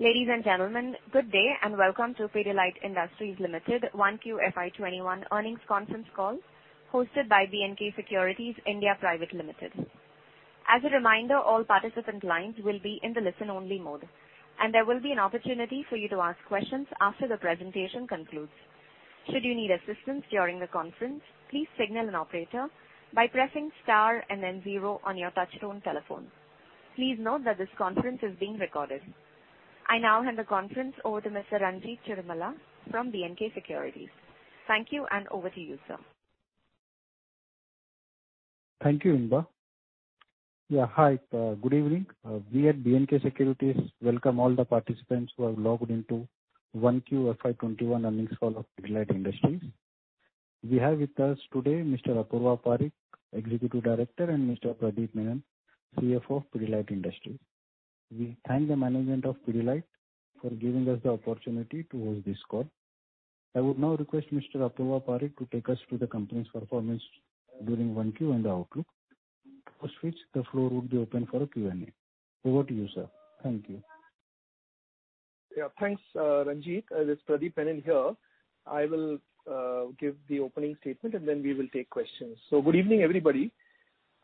Ladies and gentlemen, good day and welcome to Pidilite Industries Ltd 1Q FY 2021 earnings conference call hosted by B&K Securities India Private Ltd. As a reminder, all participant lines will be in the listen only mode, and there will be an opportunity for you to ask questions after the presentation concludes. Please note that this conference is being recorded. I now hand the conference over to Mr. Ranjit Cirumalla from B&K Securities. Thank you and over to you, sir. Thank you, Inba. Hi. Good evening. We at B&K Securities welcome all the participants who have logged into 1Q FY 2021 earnings call of Pidilite Industries. We have with us today Mr. Apurva Parekh, Executive Director, and Mr. Pradip Menon, CFO of Pidilite Industries. We thank the management of Pidilite for giving us the opportunity to host this call. I would now request Mr. Apurva Parekh to take us through the company's performance during 1Q and the outlook. After which the floor would be open for a Q&A. Over to you, sir. Thank you. Thanks, Ranjit. This is Pradip Menon here. I will give the opening statement, and then we will take questions. Good evening, everybody.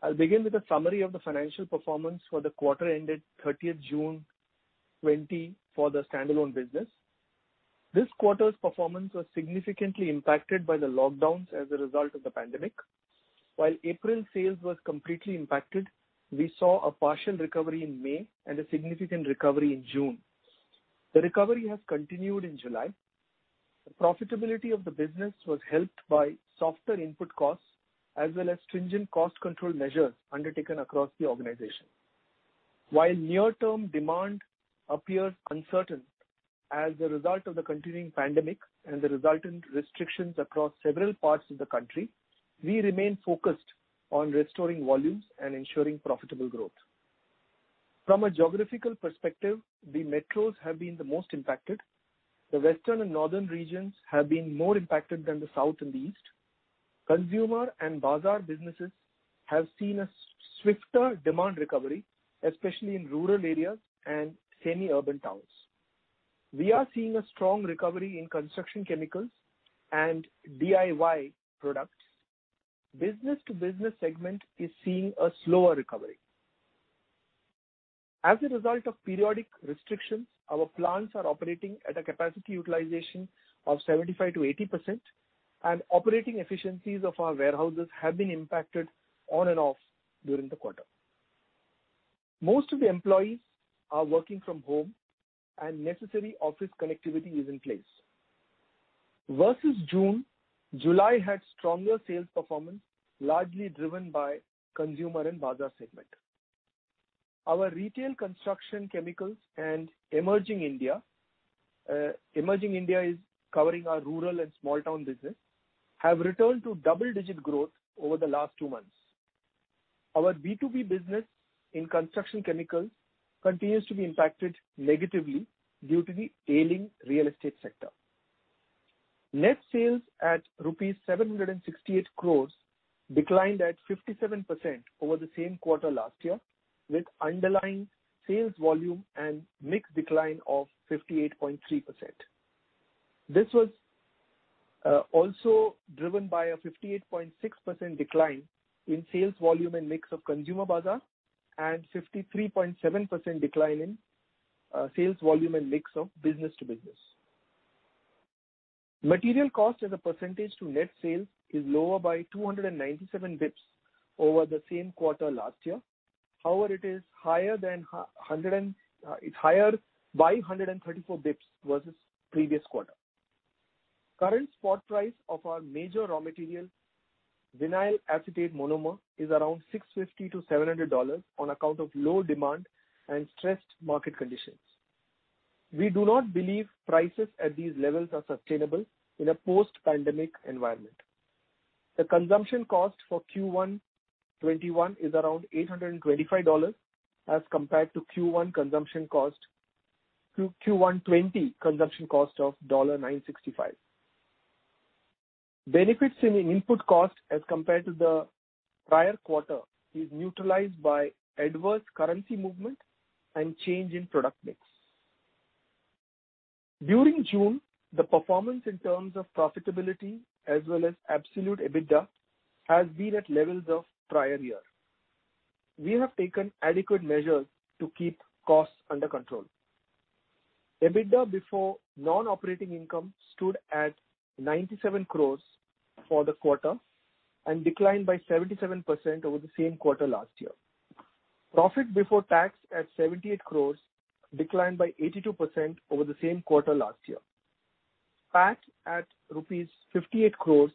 I'll begin with a summary of the financial performance for the quarter ended 30th June 2020 for the standalone business. This quarter's performance was significantly impacted by the lockdowns as a result of the pandemic. April sales was completely impacted, we saw a partial recovery in May and a significant recovery in June. The recovery has continued in July. The profitability of the business was helped by softer input costs as well as stringent cost control measures undertaken across the organization. Near-term demand appears uncertain as a result of the continuing pandemic and the resultant restrictions across several parts of the country, we remain focused on restoring volumes and ensuring profitable growth. From a geographical perspective, the metros have been the most impacted. The Western and Northern regions have been more impacted than the South and the East. Consumer & Bazaar businesses have seen a swifter demand recovery, especially in rural areas and semi-urban towns. We are seeing a strong recovery in construction chemicals and DIY products. Business-to-business segment is seeing a slower recovery. As a result of periodic restrictions, our plants are operating at a capacity utilization of 75%-80%, and operating efficiencies of our warehouses have been impacted on and off during the quarter. Most of the employees are working from home and necessary office connectivity is in place. Versus June, July had stronger sales performance, largely driven by Consumer & Bazaar segment. Our retail construction chemicals and Emerging India, Emerging India is covering our rural and small town business, have returned to double-digit growth over the last two months. Our B2B business in construction chemicals continues to be impacted negatively due to the ailing real estate sector. Net sales at rupees 768 crores declined at 57% over the same quarter last year, with underlying sales volume and mix decline of 58.3%. This was also driven by a 58.6% decline in sales volume and mix of Consumer & Bazaar and 53.7% decline in sales volume and mix of business to business. Material cost as a percentage to net sales is lower by 297 basis points over the same quarter last year. However, it is higher by 134 basis points versus the previous quarter. Current spot price of our major raw material, vinyl acetate monomer, is around $650 to $700 on account of low demand and stressed market conditions. We do not believe prices at these levels are sustainable in a post-pandemic environment. The consumption cost for Q1 2021 is around $825 as compared to Q1 2020 consumption cost of $965. Benefits in input cost as compared to the prior quarter is neutralized by adverse currency movement and change in product mix. During June, the performance in terms of profitability as well as absolute EBITDA has been at levels of prior year. We have taken adequate measures to keep costs under control. EBITDA before non-operating income stood at 97 crores for the quarter and declined by 77% over the same quarter last year. Profit before tax at 78 crores declined by 82% over the same quarter last year. PAT at rupees 58 crores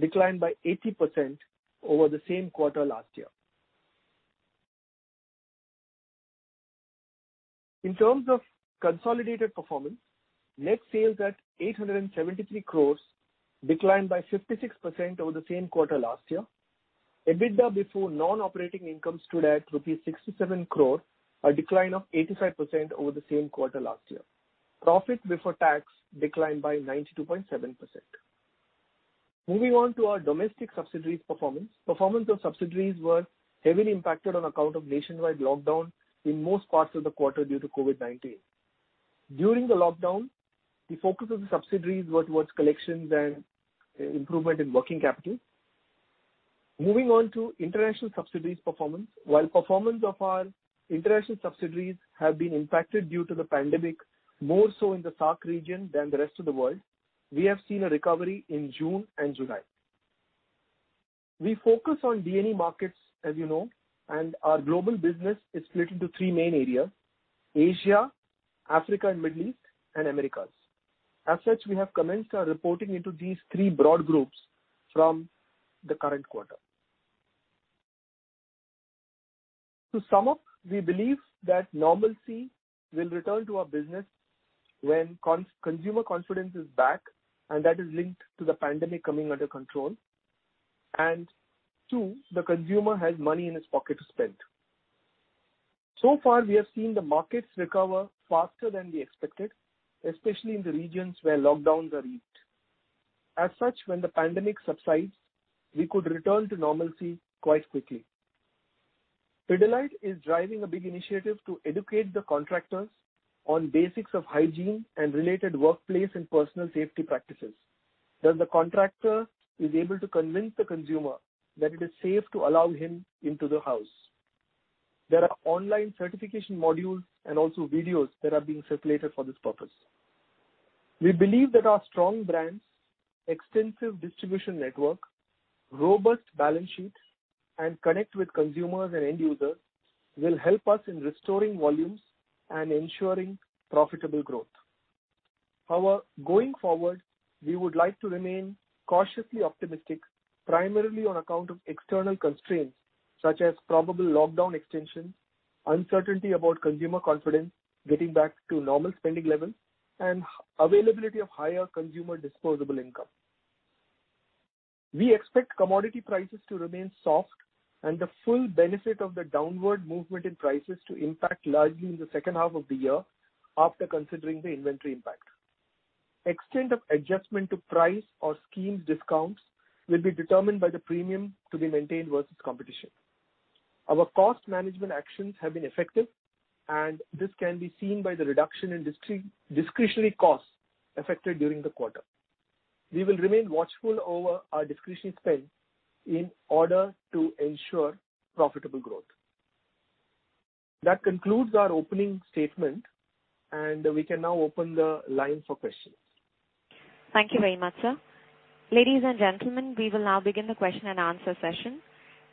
declined by 80% over the same quarter last year. In terms of consolidated performance, net sales at 873 crores declined by 56% over the same quarter last year. EBITDA before non-operating income stood at rupees 67 crore, a decline of 85% over the same quarter last year. Profit before tax declined by 92.7%. Moving on to our domestic subsidiaries performance. Performance of subsidiaries was heavily impacted on account of nationwide lockdown in most parts of the quarter due to COVID-19. During the lockdown, the focus of the subsidiaries was towards collections and improvement in working capital. Moving on to international subsidiaries performance. While performance of our international subsidiaries have been impacted due to the pandemic, more so in the SAARC region than the rest of the world. We have seen a recovery in June and July. We focus on D&E markets, as you know, and our global business is split into three main areas, Asia, Africa and Middle East, and Americas. As such, we have commenced our reporting into these three broad groups from the current quarter. To sum up, we believe that normalcy will return to our business when consumer confidence is back, and that is linked to the pandemic coming under control, and two, the consumer has money in his pocket to spend. So far, we have seen the markets recover faster than we expected, especially in the regions where lockdowns are eased. As such, when the pandemic subsides, we could return to normalcy quite quickly. Pidilite is driving a big initiative to educate the contractors on basics of hygiene and related workplace and personal safety practices, that the contractor is able to convince the consumer that it is safe to allow him into the house. There are online certification modules and also videos that are being circulated for this purpose. We believe that our strong brands, extensive distribution network, robust balance sheet, and connect with consumers and end users will help us in restoring volumes and ensuring profitable growth. However, going forward, we would like to remain cautiously optimistic, primarily on account of external constraints such as probable lockdown extension, uncertainty about consumer confidence getting back to normal spending levels, and availability of higher consumer disposable income. We expect commodity prices to remain soft and the full benefit of the downward movement in prices to impact largely in the second half of the year after considering the inventory impact. Extent of adjustment to price or schemes discounts will be determined by the premium to be maintained versus competition. Our cost management actions have been effective, and this can be seen by the reduction in discretionary costs affected during the quarter. We will remain watchful over our discretionary spend in order to ensure profitable growth. That concludes our opening statement, and we can now open the line for questions. Thank you very much, sir. Ladies and gentlemen, we will now begin the question and answer session.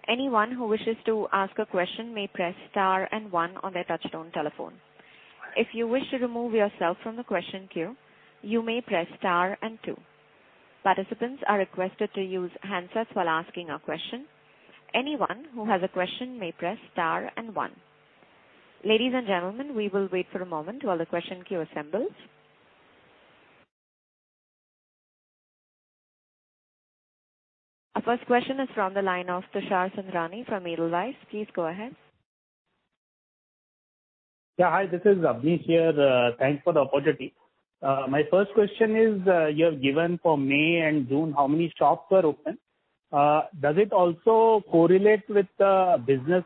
Anyone who wishes to ask a question may press star and one on their touchtone telephone. If you wish to remove yourself from the question queue, you may press star and two. Participants are requested to use handsets while asking a question. Anyone who has a question may press star and one. Ladies and gentlemen, we will wait for a moment while the question queue assembles. Our first question is from the line of Tushar Sundrani from Edelweiss. Please go ahead. Yeah. Hi, this is Abneesh here. Thanks for the opportunity. My first question is, you have given for May and June how many shops were open. Does it also correlate with the business?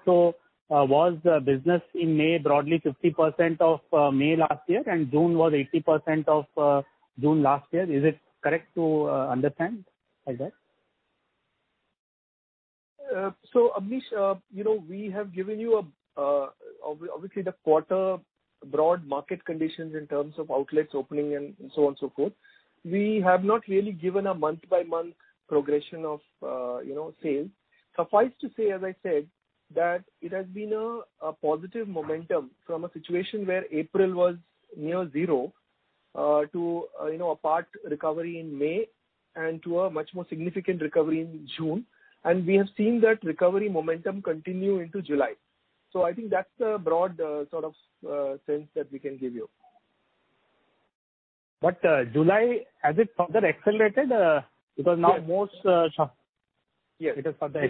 Was the business in May broadly 50% of May last year, and June was 80% of June last year? Is it correct to understand like that? Abneesh, we have given you obviously the quarter broad market conditions in terms of outlets opening and so on and so forth. We have not really given a month-by-month progression of sales. Suffice to say, as I said, that it has been a positive momentum from a situation where April was near zero, to a part recovery in May, and to a much more significant recovery in June. We have seen that recovery momentum continue into July. I think that's the broad sort of sense that we can give you. July, has it further accelerated? Because now most shops. Yes. It has further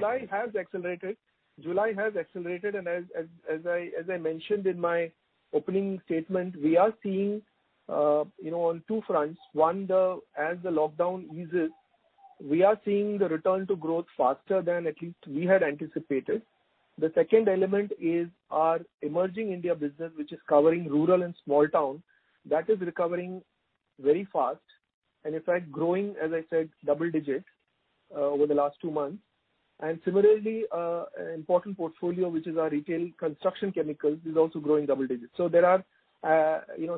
accelerated. July has accelerated. As I mentioned in my opening statement, we are seeing on two fronts. One, as the lockdown eases, we are seeing the return to growth faster than at least we had anticipated. The second element is our Emerging India business, which is covering rural and small town, that is recovering very fast. In fact, growing, as I said, double digits over the last two months. Similarly, an important portfolio, which is our retail construction chemicals, is also growing double digits. There are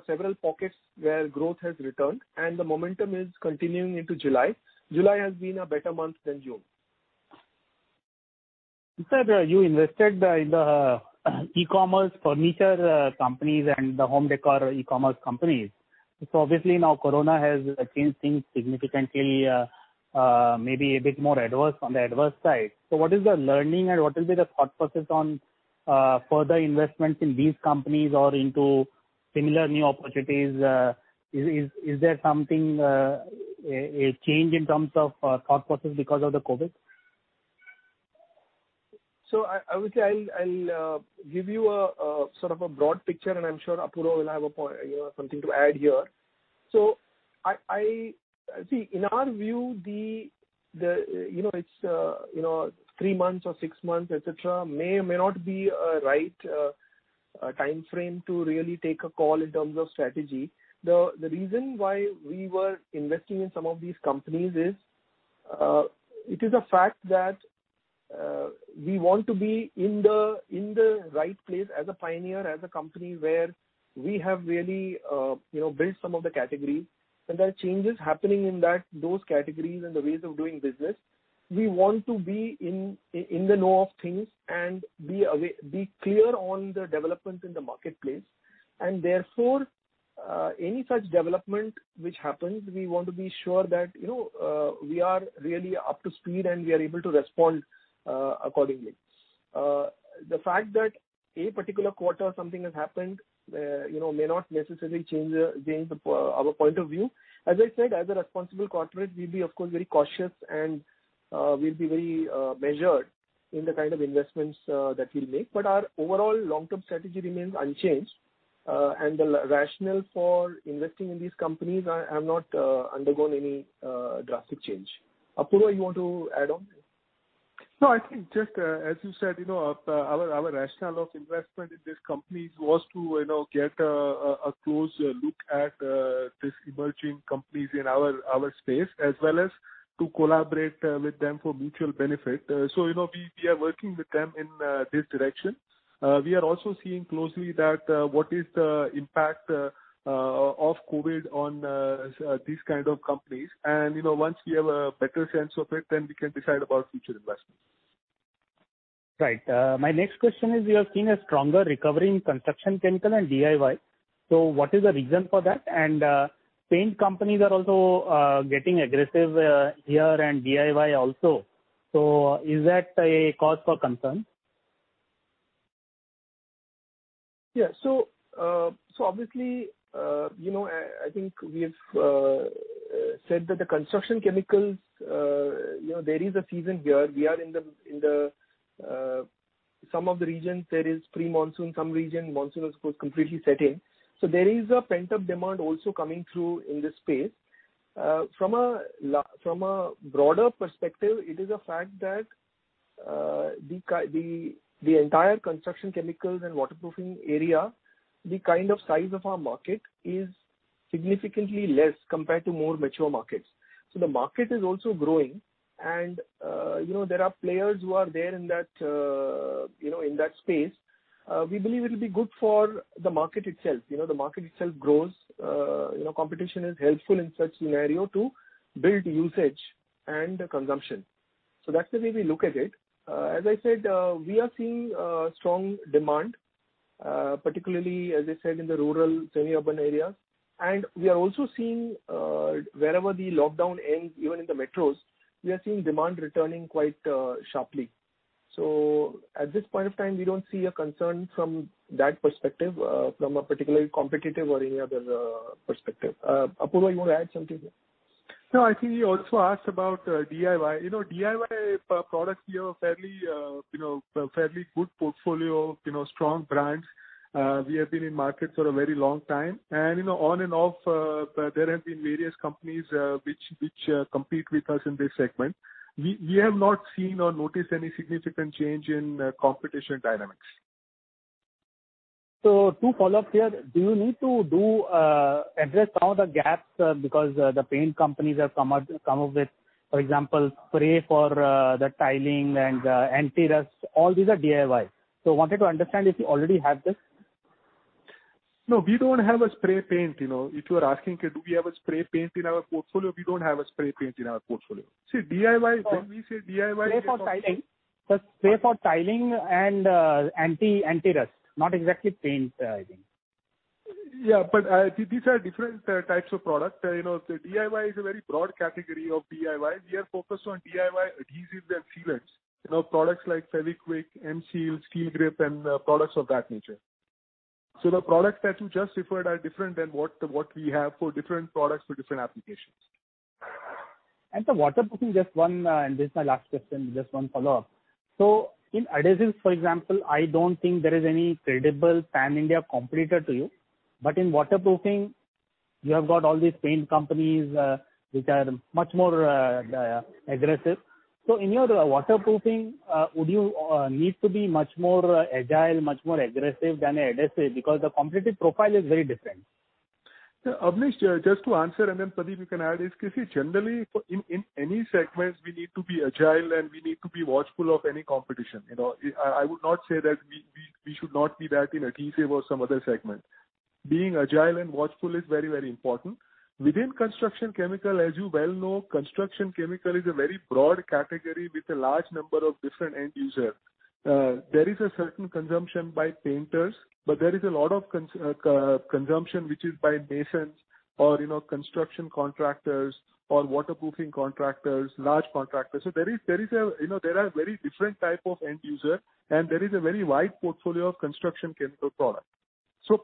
several pockets where growth has returned, and the momentum is continuing into July. July has been a better month than June. Sir, you invested in the e-commerce furniture companies and the home decor e-commerce companies. Obviously now corona has changed things significantly, maybe a bit more on the adverse side. What is the learning and what will be the thought process on further investments in these companies or into similar new opportunities? Is there something, a change in terms of thought process because of the COVID? I would say I'll give you a sort of a broad picture, and I'm sure Apurva will have something to add here. In our view, it's three months or six months, et cetera, may or may not be a right timeframe to really take a call in terms of strategy. The reason why we were investing in some of these companies is, it is a fact that we want to be in the right place as a pioneer, as a company where we have really built some of the categories. There are changes happening in those categories and the ways of doing business. We want to be in the know of things and be clear on the developments in the marketplace. Therefore, any such development which happens, we want to be sure that we are really up to speed and we are able to respond accordingly. The fact that a particular quarter something has happened may not necessarily change our point of view. As I said, as a responsible corporate, we'll be, of course, very cautious and we'll be very measured in the kind of investments that we'll make. Our overall long-term strategy remains unchanged. The rationale for investing in these companies have not undergone any drastic change. Apurva, you want to add on? No, I think just as you said, our rationale of investment in this company was to get a close look at these emerging companies in our space as well as to collaborate with them for mutual benefit. We are working with them in this direction. We are also seeing closely that what is the impact of COVID-19 on these kind of companies. Once we have a better sense of it, then we can decide about future investments. Right. My next question is, you are seeing a stronger recovery in construction chemical and DIY. What is the reason for that? Paint companies are also getting aggressive here and DIY also. Is that a cause for concern? Yeah. Obviously, I think we've said that the construction chemicals, there is a season here. Some of the regions there is pre-monsoon, some region monsoon, of course, completely set in. There is a pent-up demand also coming through in this space. From a broader perspective, it is a fact that the entire construction chemicals and waterproofing area, the kind of size of our market is significantly less compared to more mature markets. The market is also growing, and there are players who are there in that space. We believe it'll be good for the market itself. The market itself grows. Competition is helpful in such scenario to build usage and consumption. That's the way we look at it. As I said, we are seeing strong demand, particularly, as I said, in the rural, semi-urban area. We are also seeing wherever the lockdown ends, even in the metros, we are seeing demand returning quite sharply. At this point of time, we don't see a concern from that perspective, from a particularly competitive or any other perspective. Apurva, you want to add something here? No, I think you also asked about DIY. DIY products, we have a fairly good portfolio, strong brands. We have been in markets for a very long time. On and off, there have been various companies which compete with us in this segment. We have not seen or noticed any significant change in competition dynamics. Two follow-ups here. Do you need to address some of the gaps because the paint companies have come up with, for example, spray for the tiling and anti-rust, all these are DIY. I wanted to understand if you already have this. No, we don't have a spray paint. If you are asking, do we have a spray paint in our portfolio? We don't have a spray paint in our portfolio. See, DIY, when we say DIY Spray for tiling. Sir, spray for tiling and anti-rust. Not exactly paint, I think. Yeah, these are different types of product. DIY is a very broad category of DIY. We are focused on DIY adhesives and sealants. Products like Fevikwik, M-Seal, Steelgrip, and products of that nature. The products that you just referred are different than what we have for different products for different applications. Sir, waterproofing, just one, and this is my last question, just one follow-up. In adhesives, for example, I don't think there is any credible pan-India competitor to you. In waterproofing, you have got all these paint companies, which are much more aggressive. In your waterproofing, would you need to be much more agile, much more aggressive than adhesives because the competitive profile is very different? Abneesh, just to answer, and then Pradip you can add, is because, generally, in any segment, we need to be agile and we need to be watchful of any competition. I would not say that we should not be that in adhesive or some other segment. Being agile and watchful is very important. Within construction chemical, as you well know, construction chemical is a very broad category with a large number of different end user. There is a certain consumption by painters, but there is a lot of consumption which is by masons or construction contractors or waterproofing contractors, large contractors. There are very different type of end user, and there is a very wide portfolio of construction chemical product.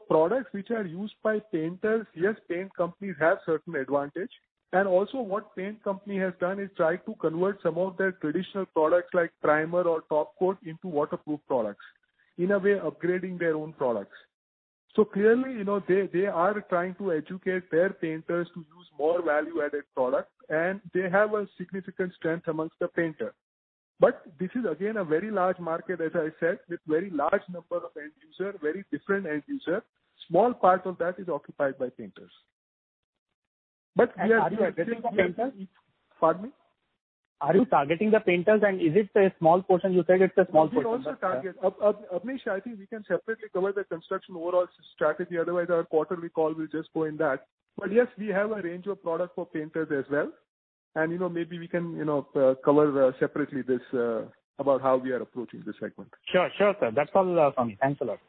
Products which are used by painters, yes, paint companies have certain advantage. Also what paint company has done is try to convert some of their traditional products like primer or top coat into waterproof products, in a way upgrading their own products. Clearly, they are trying to educate their painters to use more value-added products, and they have a significant strength amongst the painter. This is again, a very large market, as I said, with very large number of end user, very different end user. Small part of that is occupied by painters. We are, pardon me. Are you targeting the painters and is it a small portion? You said it's a small portion. We also target. Abneesh, I think we can separately cover the construction overall strategy. Otherwise, our quarter recall will just go in that. Yes, we have a range of product for painters as well. Maybe we can cover separately this, about how we are approaching this segment. Sure, sir. That's all from me. Thanks a lot.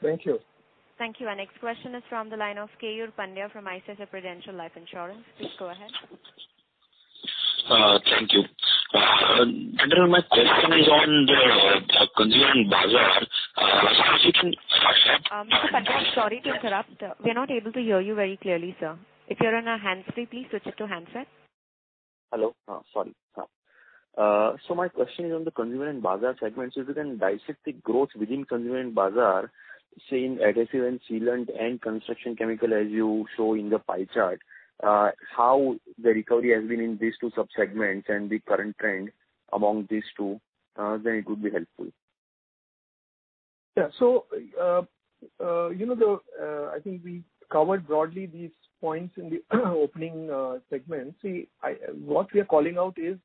Thank you. Thank you. Our next question is from the line of Keyur Pandya from ICICI Prudential Life Insurance. Please go ahead. Thank you. My question is on the Consumer & Bazaar. Mr. Pandya, sorry to interrupt. We're not able to hear you very clearly, sir. If you're on a hands-free, please switch it to handset. Hello. Sorry. My question is on the Consumer & Bazaar segment. If you can dissect the growth within Consumer & Bazaar, say in adhesive and sealant and construction chemical as you show in the pie chart, how the recovery has been in these two sub-segments and the current trend among these two, then it would be helpful. I think we covered broadly these points in the opening segment. What we are calling out is,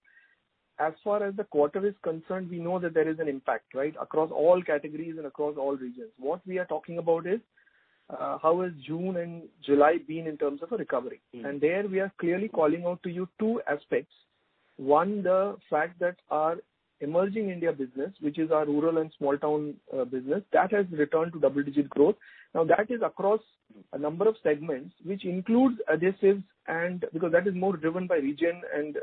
as far as the quarter is concerned, we know that there is an impact, right? Across all categories and across all regions. What we are talking about is, how has June and July been in terms of a recovery. There we are clearly calling out to you two aspects. One, the fact that our Emerging India business, which is our rural and small town business, that has returned to double-digit growth. That is across a number of segments, which includes adhesives and because that is more driven by region and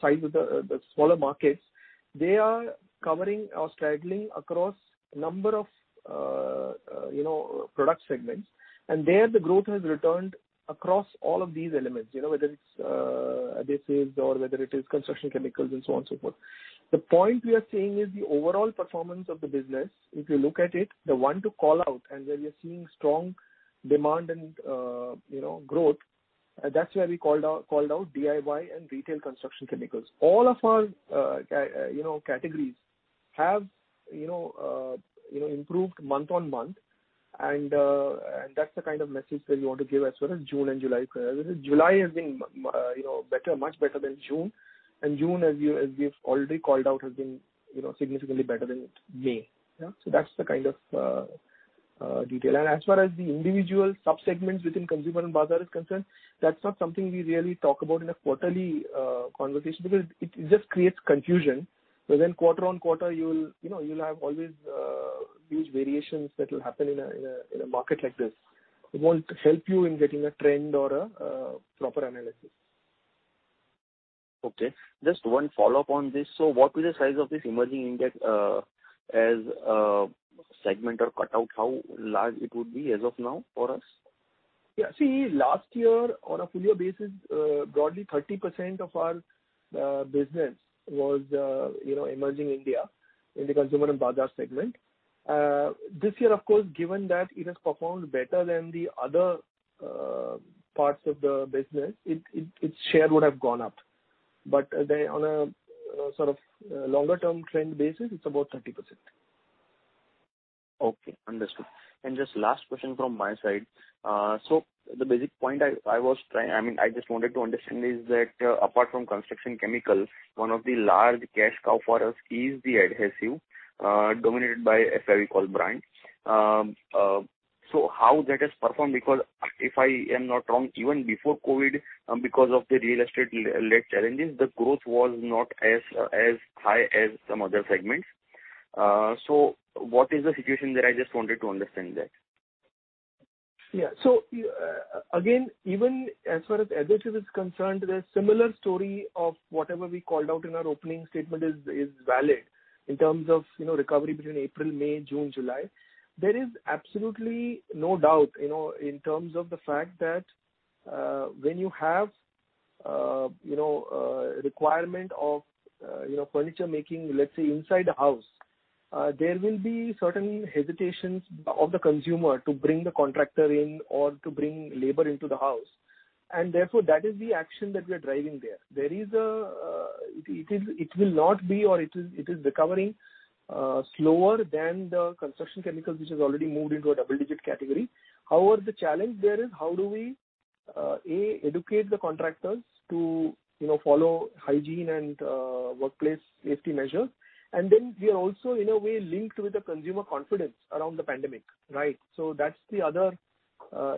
size of the smaller markets. They are covering or straddling across a number of product segments, and there the growth has returned across all of these elements, whether it's adhesives or whether it is construction chemicals and so on and so forth. The point we are saying is the overall performance of the business, if you look at it, the one to call out, and where we are seeing strong demand and growth, that's where we called out DIY and retail construction chemicals. All of our categories have improved month-on-month and that's the kind of message that we want to give as far as June and July. July has been much better than June, and June, as we have already called out, has been significantly better than May. Yeah. That's the kind of detail. As far as the individual sub-segments within Consumer & Bazaar is concerned, that's not something we really talk about in a quarterly conversation because it just creates confusion. Then quarter-on-quarter, you'll have always huge variations that will happen in a market like this. It won't help you in getting a trend or a proper analysis. Okay. Just one follow-up on this. What is the size of this Emerging India as a segment or cutout? How large it would be as of now for us? Yeah. See, last year on a full year basis, broadly 30% of our business was Emerging India in the Consumer & Bazaar segment. This year, of course, given that it has performed better than the other parts of the business, its share would have gone up. On a sort of longer-term trend basis, it's about 30%. Okay. Understood. Just last question from my side. The basic point I just wanted to understand is that apart from construction chemicals, one of the large cash cow for us is the adhesive, dominated by FEVICOL brand. How that has performed, because if I am not wrong, even before COVID, because of the real estate-led challenges, the growth was not as high as some other segments. What is the situation there? I just wanted to understand that. Yeah. Again, even as far as adhesive is concerned, the similar story of whatever we called out in our opening statement is valid in terms of recovery between April, May, June, July. There is absolutely no doubt, in terms of the fact that when you have requirement of furniture making, let's say, inside the house, there will be certain hesitations of the consumer to bring the contractor in or to bring labor into the house. Therefore, that is the action that we're driving there. It is recovering slower than the construction chemicals, which has already moved into a double-digit category. However, the challenge there is how do we, A, educate the contractors to follow hygiene and workplace safety measures, and then we are also in a way linked with the consumer confidence around the pandemic, right? That's the other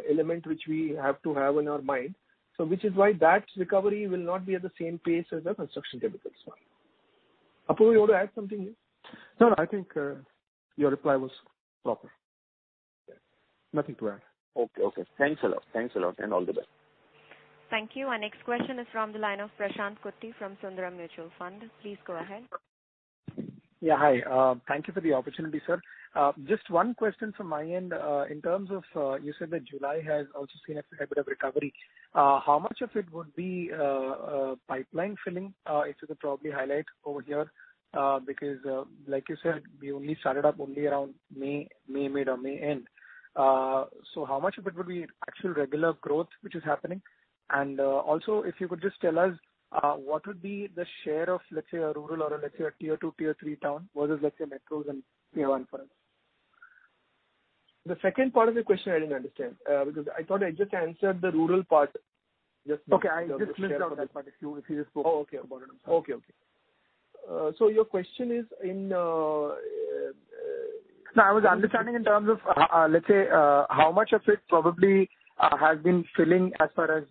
element which we have to have in our mind. Which is why that recovery will not be at the same pace as the construction chemicals one. Apurva, you want to add something here? No, I think your reply was proper. Nothing to add. Okay. Thanks a lot. All the best. Thank you. Our next question is from the line of Prashant Kutty from Sundaram Mutual Fund. Please go ahead. Yeah. Hi. Thank you for the opportunity, sir. Just one question from my end. In terms of, you said that July has also seen a fair bit of recovery. How much of it would be pipeline filling? If you could probably highlight over here, because like you said, we only started up only around May, mid or May end. How much of it would be actual regular growth which is happening? If you could just tell us what would be the share of, let’s say, a rural or let’s say a tier 2, tier 3 town versus let’s say metros and Tier 1 for us. The second part of the question I didn't understand because I thought I just answered the rural part just now. Okay. I just missed out that part, if you just spoke. Oh, okay. about it. I'm sorry. Okay. your question is in. No, I was understanding in terms of, let's say, how much of it probably has been filling as far as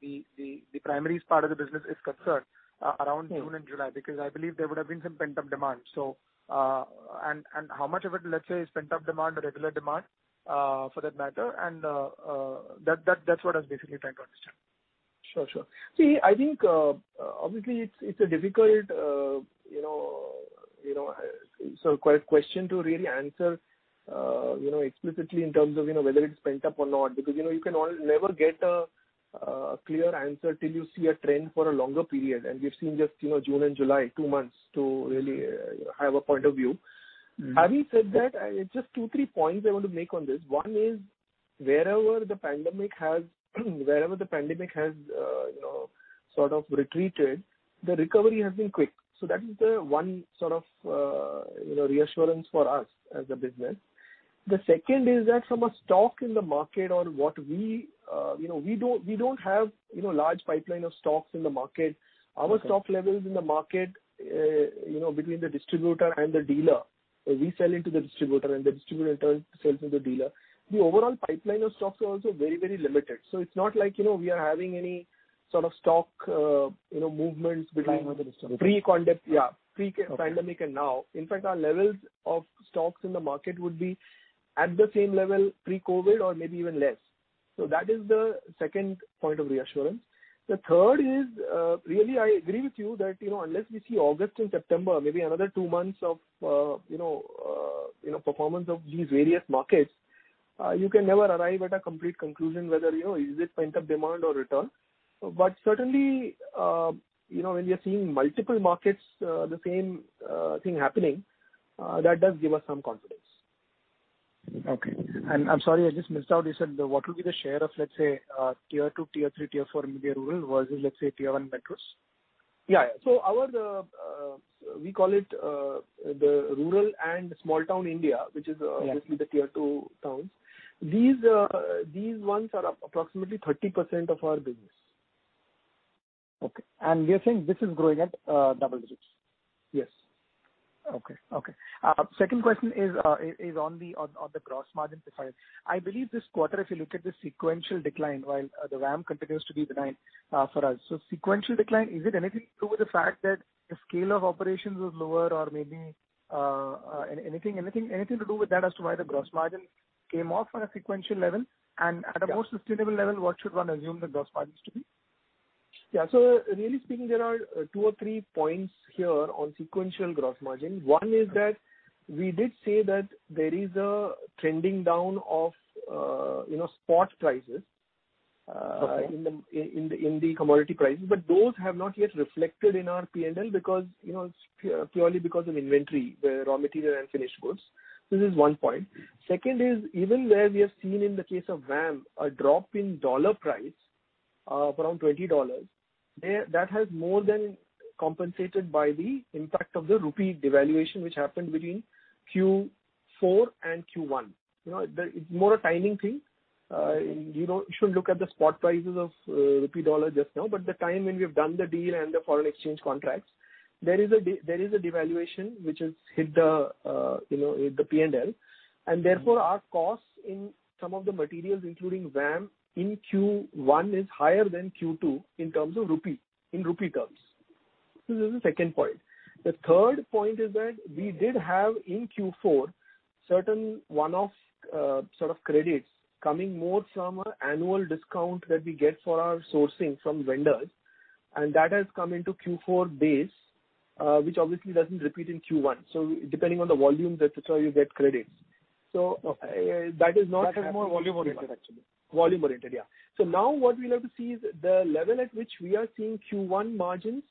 the primaries part of the business is concerned around June and July. Because I believe there would've been some pent-up demand. How much of it, let's say, is pent-up demand or regular demand for that matter, and that's what I was basically trying to understand. Sure. See, I think, obviously it's a difficult question to really answer explicitly in terms of whether it's pent-up or not because you can never get a clear answer till you see a trend for a longer period. We've seen just June and July, two months to really have a point of view. Having said that, just two, three points I want to make on this. One is wherever the pandemic has sort of retreated, the recovery has been quick. That is the one sort of reassurance for us as a business. The second is that from a stock in the market or We don't have large pipeline of stocks in the market. Okay. Our stock levels in the market between the distributor and the dealer. We sell into the distributor and the distributor in turn sells to the dealer. The overall pipeline of stocks are also very limited. It's not like we are having any sort of stock movements. Dynamic of the stock. Pre-pandemic and now. In fact, our levels of stocks in the market would be at the same level pre-COVID or maybe even less. That is the second point of reassurance. The third is, really I agree with you that unless we see August and September, maybe another two months of performance of these various markets, you can never arrive at a complete conclusion whether is it pent-up demand or return. Certainly, when we are seeing multiple markets the same thing happening, that does give us some confidence. Okay. I'm sorry, I just missed out. You said what will be the share of, let's say, Tier 2, Tier 3, Tier 4, maybe rural versus let's say Tier 1 metros? Yeah. We call it the rural and small town India, which is- Yeah. -obviously the Tier 2 towns. These ones are approximately 30% of our business. Okay. You're saying this is growing at double digits? Yes. Okay. Second question is on the gross margin side. I believe this quarter, if you look at the sequential decline while the VAM continues to be benign for us. Sequential decline, is it anything to do with the fact that the scale of operations was lower or maybe anything to do with that as to why the gross margin came off on a sequential level? Yeah. More sustainable level, what should one assume the gross margins to be? Yeah. Really speaking, there are two or three points here on sequential gross margin. One is that we did say that there is a trending down of spot prices. Okay. In the commodity prices. Those have not yet reflected in our P&L purely because of inventory, the raw material and finished goods. This is one point. Second is even where we have seen in the case of VAM, a drop in dollar price of around $20, that has more than compensated by the impact of the rupee devaluation which happened between Q4 and Q1. It's more a timing thing. You shouldn't look at the spot prices of rupee dollar just now. The time when we've done the deal and the foreign exchange contracts, there is a devaluation which has hit the P&L, and therefore our costs in some of the materials, including VAM in Q1 is higher than Q2 in terms of rupee, in rupee terms. This is the second point. The third point is that we did have in Q4 certain one-off sort of credits coming more from annual discount that we get for our sourcing from vendors, and that has come into Q4 base which obviously doesn't repeat in Q1. Depending on the volumes, et cetera, you get credits. Okay. That is not- That's more volume-oriented, actually. Volume-oriented, yeah. Now what we'll have to see is the level at which we are seeing Q1 margins.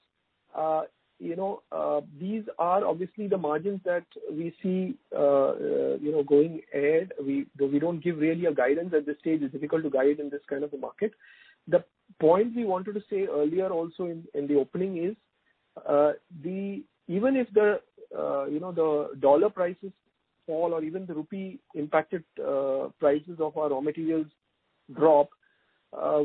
These are obviously the margins that we see going ahead. We don't give really a guidance at this stage. It's difficult to guide in this kind of a market. The point we wanted to say earlier also in the opening is, even if the dollar prices fall or even the rupee impacted prices of our raw materials drop,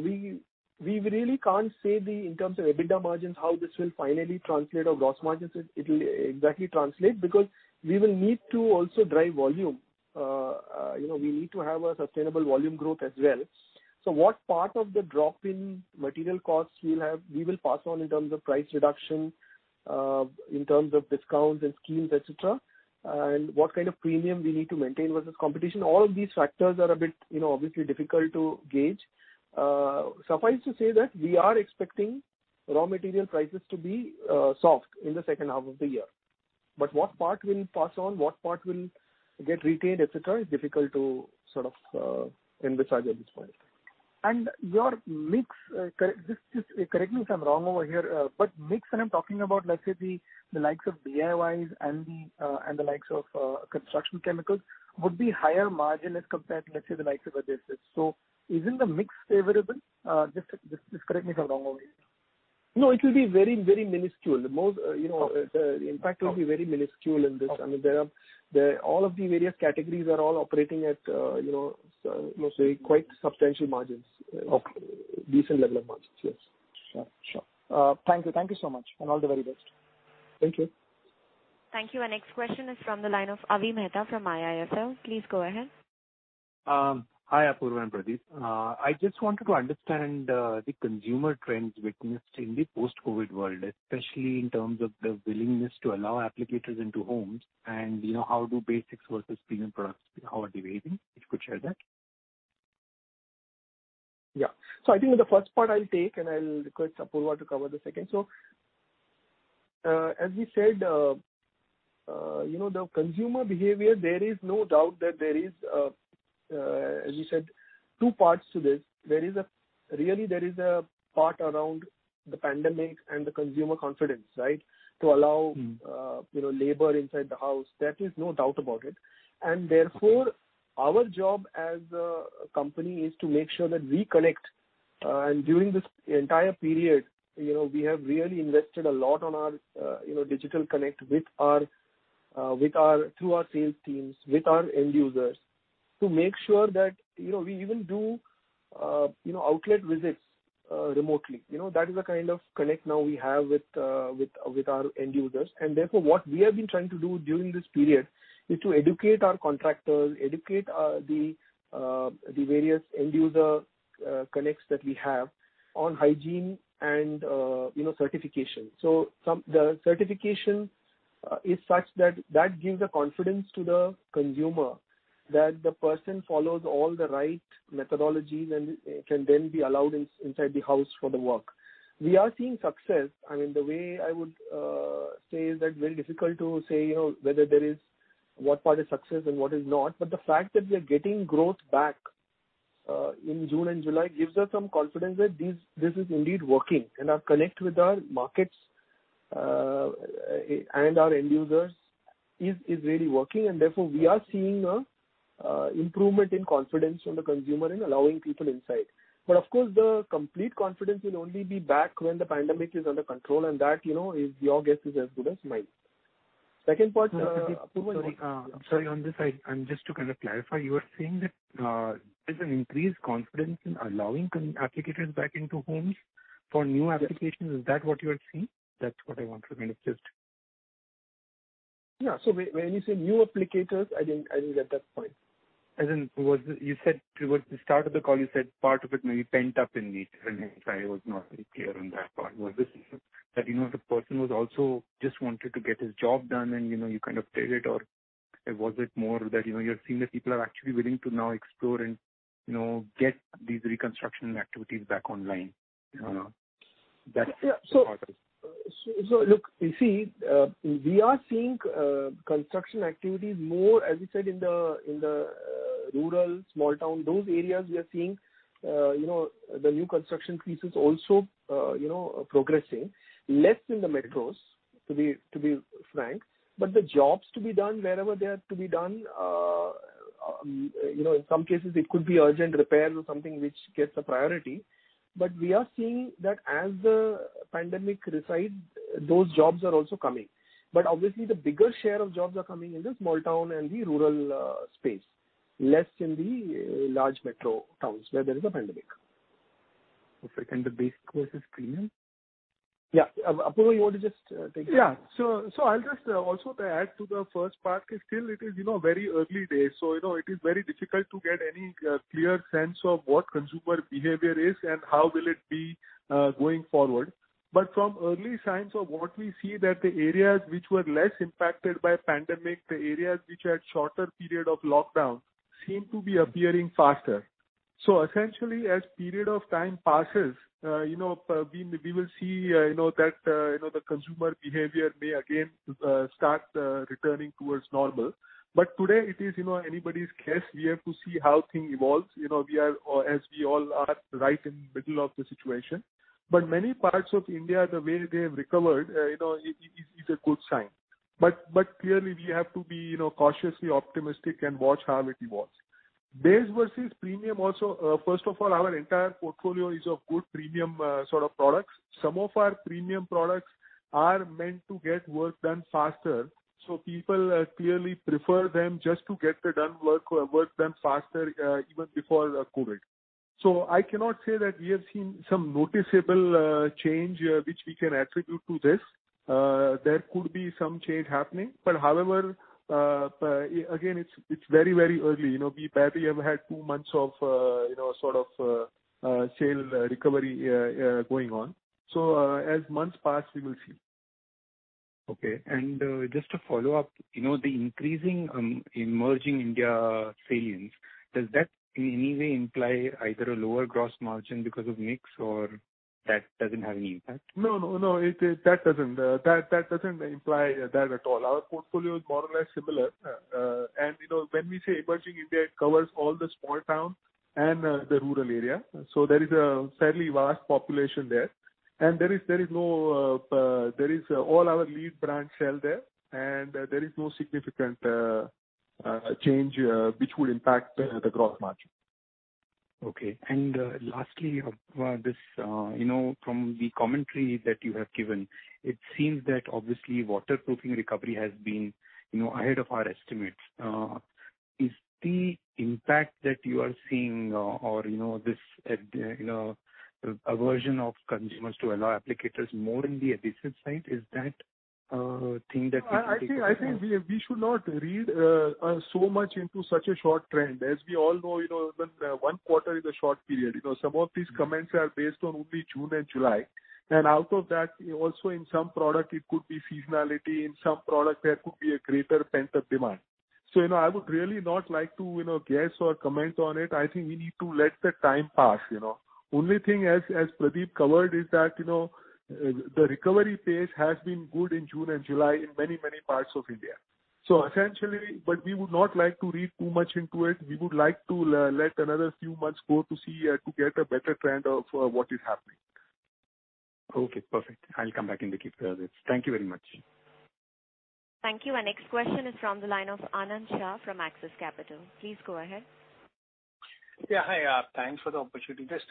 we really can't say in terms of EBITDA margins how this will finally translate our gross margins. It'll exactly translate because we will need to also drive volume. We need to have a sustainable volume growth as well. What part of the drop in material costs we will pass on in terms of price reduction, in terms of discounts and schemes, et cetera, and what kind of premium we need to maintain versus competition, all of these factors are a bit obviously difficult to gauge. Suffice to say that we are expecting raw material prices to be soft in the second half of the year. What part we'll pass on, what part will get retained, et cetera, is difficult to envisage at this point. Your mix, correct me if I'm wrong over here, but mix that I'm talking about, let's say the likes of DIYs and the likes of construction chemicals, would be higher margin as compared to, let's say, the likes of adhesives. Isn't the mix favorable? Just correct me if I'm wrong over here. No, it will be very minuscule. The impact will be very minuscule in this. Okay. All of the various categories are all operating at quite substantial margins. Okay. Decent level of margins. Yes. Sure. Thank you so much. All the very best. Thank you. Thank you. Our next question is from the line of Avi Mehta from IIFL. Please go ahead. Hi, Apurva and Pradip. I just wanted to understand the consumer trends witnessed in the post-COVID world, especially in terms of the willingness to allow applicators into homes and how do basics versus premium products, how are they behaving? If you could share that. Yeah. I think the first part I'll take, and I'll request Apurva to cover the second. As we said, the consumer behavior, there is no doubt that there is, as you said, two parts to this. Really there is a part around the pandemic and the consumer confidence, right? To allow labor inside the house. There is no doubt about it. Our job as a company is to make sure that we connect. During this entire period, we have really invested a lot on our digital connect through our sales teams, with our end users, to make sure that we even do outlet visits remotely. That is the kind of connect now we have with our end users. Therefore, what we have been trying to do during this period is to educate our contractors, educate the various end user connects that we have on hygiene and certification. The certification is such that that gives a confidence to the consumer that the person follows all the right methodologies and can then be allowed inside the house for the work. We are seeing success. The way I would say is that it is very difficult to say what part is success and what is not. The fact that we are getting growth back in June and July gives us some confidence that this is indeed working, and our connect with our markets and our end users is really working, and therefore, we are seeing improvement in confidence from the consumer in allowing people inside. Of course, the complete confidence will only be back when the pandemic is under control, and that, your guess is as good as mine. Second part, Apurva. Sorry on this side. Just to kind of clarify, you are saying that there's an increased confidence in allowing applicators back into homes for new applications. Is that what you are seeing? Yeah. When you say new applicators, I didn't get that point. Towards the start of the call you said part of it maybe pent up in nature, and I was not really clear on that part. Was this that the person was also just wanted to get his job done and you kind of trail it, or was it more that you're seeing that people are actually willing to now explore and get these reconstruction activities back online? That part. Look, you see, we are seeing construction activities more, as we said, in the rural small town. Those areas we are seeing the new construction pieces also progressing. Less in the metros, to be frank. The jobs to be done wherever they are to be done. In some cases, it could be urgent repairs or something which gets the priority. We are seeing that as the pandemic recedes, those jobs are also coming. Obviously the bigger share of jobs are coming in the small town and the rural space. Less in the large metro towns where there is a pandemic. Okay. The basic versus premium? Yeah. Apurva, you want to just take it? Yeah. I'll just also add to the first part, is still it is very early days. It is very difficult to get any clear sense of what consumer behavior is and how will it be going forward. From early signs of what we see that the areas which were less impacted by pandemic, the areas which had shorter period of lockdown, seem to be appearing faster. Essentially, as period of time passes, we will see that the consumer behavior may again start returning towards normal. Today it is anybody's guess. We have to see how thing evolves. As we all are right in the middle of the situation. Many parts of India, the way they have recovered, is a good sign. Clearly we have to be cautiously optimistic and watch how it evolves. Base versus premium also. First of all, our entire portfolio is of good premium sort of products. Some of our premium products are meant to get work done faster, people clearly prefer them just to get the work done faster, even before COVID. I cannot say that we have seen some noticeable change which we can attribute to this. There could be some change happening. However, again, it's very early. We barely have had two months of sale recovery going on. As months pass, we will see. Okay. Just to follow up, the increasing Emerging India salience, does that in any way imply either a lower gross margin because of mix or that doesn't have any impact? No, that doesn't imply that at all. Our portfolio is more or less similar. When we say Emerging India, it covers all the small towns and the rural area. There is a fairly vast population there. All our lead brands sell there, and there is no significant change which would impact the gross margin. Okay. Lastly, from the commentary that you have given, it seems that obviously waterproofing recovery has been ahead of our estimates. Is the impact that you are seeing or this aversion of consumers to allow applicators more in the adhesive side, is that a thing that we should be concerned about? I think we should not read so much into such a short trend. As we all know, even one quarter is a short period. Some of these comments are based on only June and July. Out of that, also in some product it could be seasonality, in some product there could be a greater pent-up demand. I would really not like to guess or comment on it. I think we need to let the time pass. Only thing, as Pradip covered, is that the recovery pace has been good in June and July in many parts of India. Essentially, we would not like to read too much into it. We would like to let another few months go to get a better trend of what is happening. Okay, perfect. I'll come back in the queue. Thank you very much. Thank you. Our next question is from the line of Anand Shah from Axis Capital. Please go ahead. Yeah, hi. Thanks for the opportunity. Just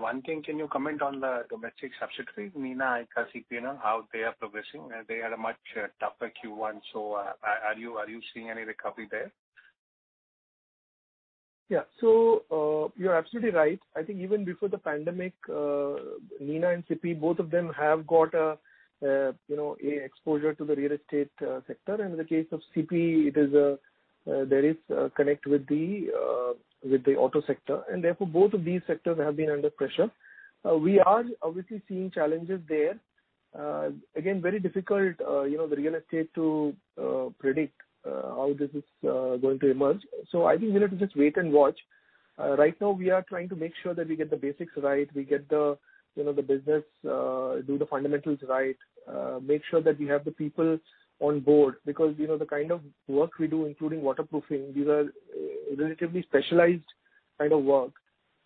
one thing, can you comment on the domestic subsidiaries, Nina and CIPY, how they are progressing? They had a much tougher Q1, are you seeing any recovery there? You're absolutely right. I think even before the pandemic, Nina and CIPY, both of them have got exposure to the real estate sector. In the case of CIPY, there is a connect with the auto sector, and therefore, both of these sectors have been under pressure. We are obviously seeing challenges there. Again, very difficult, the real estate to predict how this is going to emerge. I think we need to just wait and watch. Right now we are trying to make sure that we get the basics right, we get the business, do the fundamentals right, make sure that we have the people on board. The kind of work we do, including waterproofing, these are relatively specialized kind of work.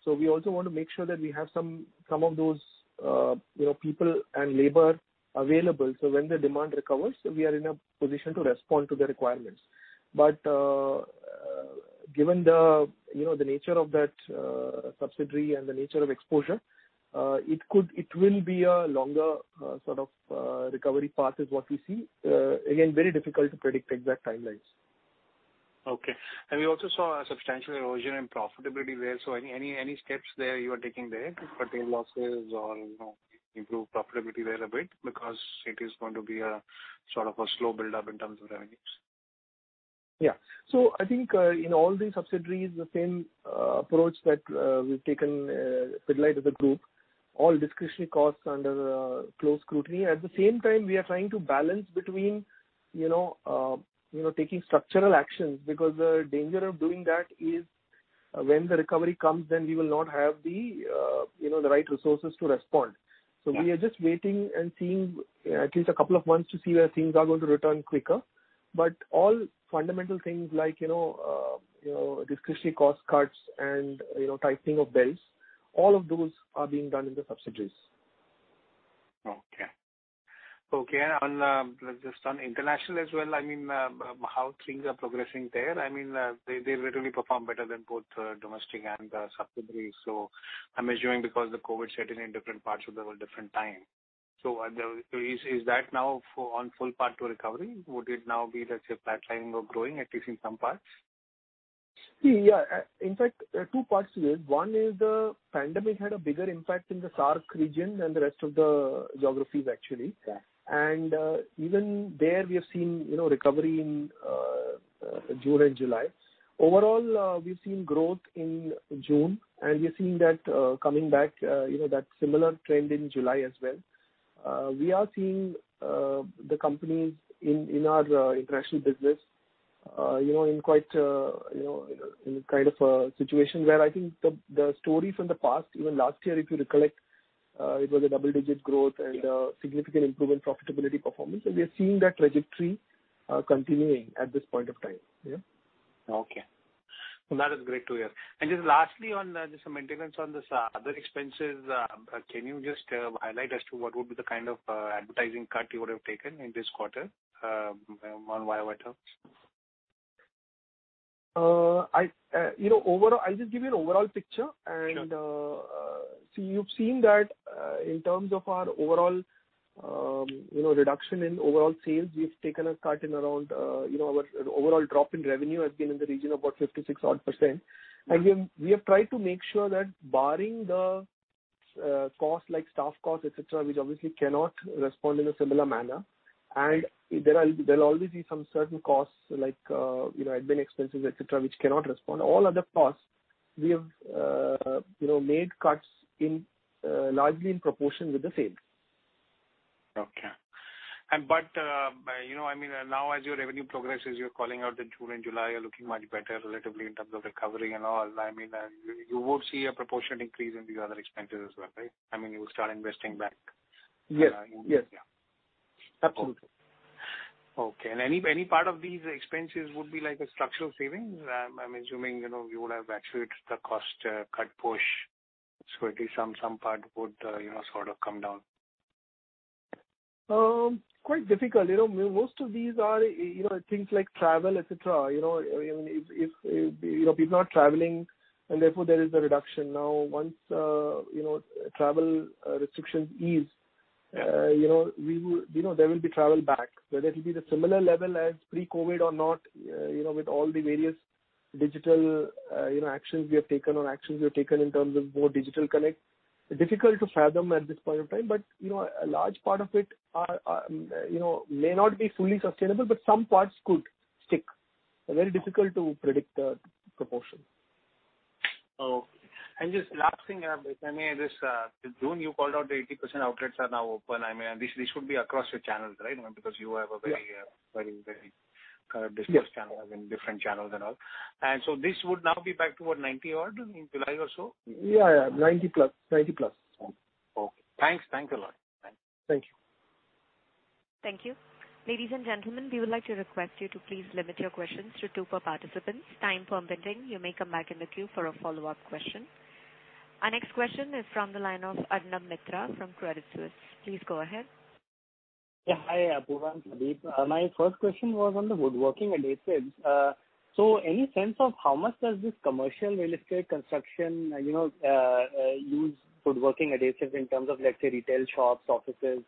We also want to make sure that we have some of those people and labor available, so when the demand recovers, we are in a position to respond to the requirements. Given the nature of that subsidiary and the nature of exposure, it will be a longer sort of recovery path is what we see. Very difficult to predict exact timelines. Okay. We also saw a substantial erosion in profitability there. Any steps there you are taking there for tail losses or improve profitability there a bit because it is going to be a sort of a slow build up in terms of revenues. Yeah. I think in all the subsidiaries, the same approach that we've taken Pidilite as a group, all discretionary costs under close scrutiny. At the same time, we are trying to balance between taking structural actions because the danger of doing that is when the recovery comes, then we will not have the right resources to respond. Yeah. We are just waiting and seeing at least a couple of months to see where things are going to return quicker. All fundamental things like discretionary cost cuts and tightening of belts, all of those are being done in the subsidiaries. Okay. Just on international as well, how things are progressing there? They literally perform better than both domestic and subsidiaries. I'm assuming because the COVID set in in different parts of the world, different time. Is that now on full path to recovery? Would it now be, let's say, flatlining or growing, at least in some parts? See, in fact, two parts to it. One is the pandemic had a bigger impact in the SAARC region than the rest of the geographies, actually. Okay. Even there we have seen recovery in June and July. Overall, we've seen growth in June, and we're seeing that coming back, that similar trend in July as well. We are seeing the companies in our international business in kind of a situation where I think the story from the past, even last year if you recollect, it was a double-digit growth and a significant improvement profitability performance, and we are seeing that trajectory continuing at this point of time. Yeah. Okay. That is great to hear. Just lastly, just some maintenance on this other expenses, can you just highlight as to what would be the kind of advertising cut you would have taken in this quarter on YoY terms? I'll just give you an overall picture. Sure. You've seen that in terms of our reduction in overall sales, our overall drop in revenue has been in the region of about odd 56%. Right. We have tried to make sure that barring the costs like staff costs, et cetera, which obviously cannot respond in a similar manner. There'll always be some certain costs like admin expenses, et cetera, which cannot respond. All other costs, we have made cuts largely in proportion with the sales. Okay. Now as your revenue progresses, you're calling out that June and July are looking much better relatively in terms of recovery and all. You would see a proportionate increase in the other expenses as well, right? You will start investing back. Yes. Absolutely. Okay. Any part of these expenses would be like a structural savings? I'm assuming you would have actually hit the cost cut push, at least some part would sort of come down. Quite difficult. Most of these are things like travel, et cetera. If people are not traveling and therefore there is a reduction. Once travel restrictions ease, there will be travel back. Whether it'll be the similar level as pre-COVID or not with all the various digital actions we have taken or actions we have taken in terms of more digital connect, difficult to fathom at this point of time. A large part of it may not be fully sustainable, but some parts could stick. Very difficult to predict the proportion. Okay. Just last thing. This June, you called out that 80% outlets are now open. This would be across your channels, right? Yes. Dispersed channel, as in different channels and all. This would now be back toward 90-odd in July or so? Yeah. +90. Okay. Thanks a lot. Thank you. Thank you. Ladies and gentlemen, we would like to request you to please limit your questions to two per participant. Time permitting, you may come back in the queue for a follow-up question. Our next question is from the line of Arnab Mitra from Credit Suisse. Please go ahead. Yeah. Hi, Apurva and Pradip. My first question was on the woodworking adhesives. Any sense of how much does this commercial real estate construction use woodworking adhesives in terms of, let's say, retail shops, offices?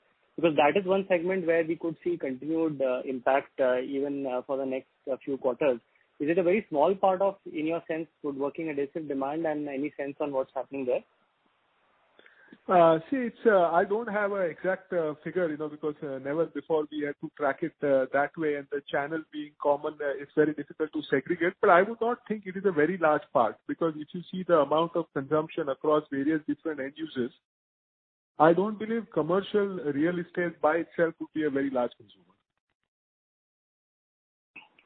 That is one segment where we could see continued impact even for the next few quarters. Is it a very small part of, in your sense, woodworking adhesive demand, and any sense on what's happening there? See, I don't have an exact figure because never before we had to track it that way and the channel being common, it's very difficult to segregate. I would not think it is a very large part because if you see the amount of consumption across various different end users, I don't believe commercial real estate by itself would be a very large consumer.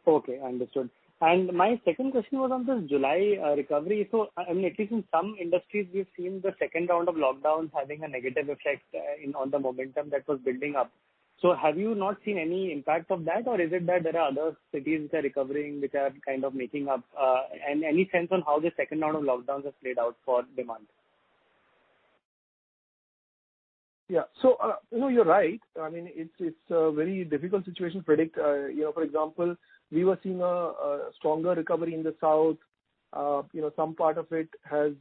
Okay, understood. My second question was on this July recovery. At least in some industries, we've seen the second round of lockdowns having a negative effect on the momentum that was building up. Have you not seen any impact of that, or is it that there are other cities which are recovering, which are kind of making up? Any sense on how the second round of lockdowns has played out for demand? You're right. It's a very difficult situation to predict. We were seeing a stronger recovery in the south. Some part of it has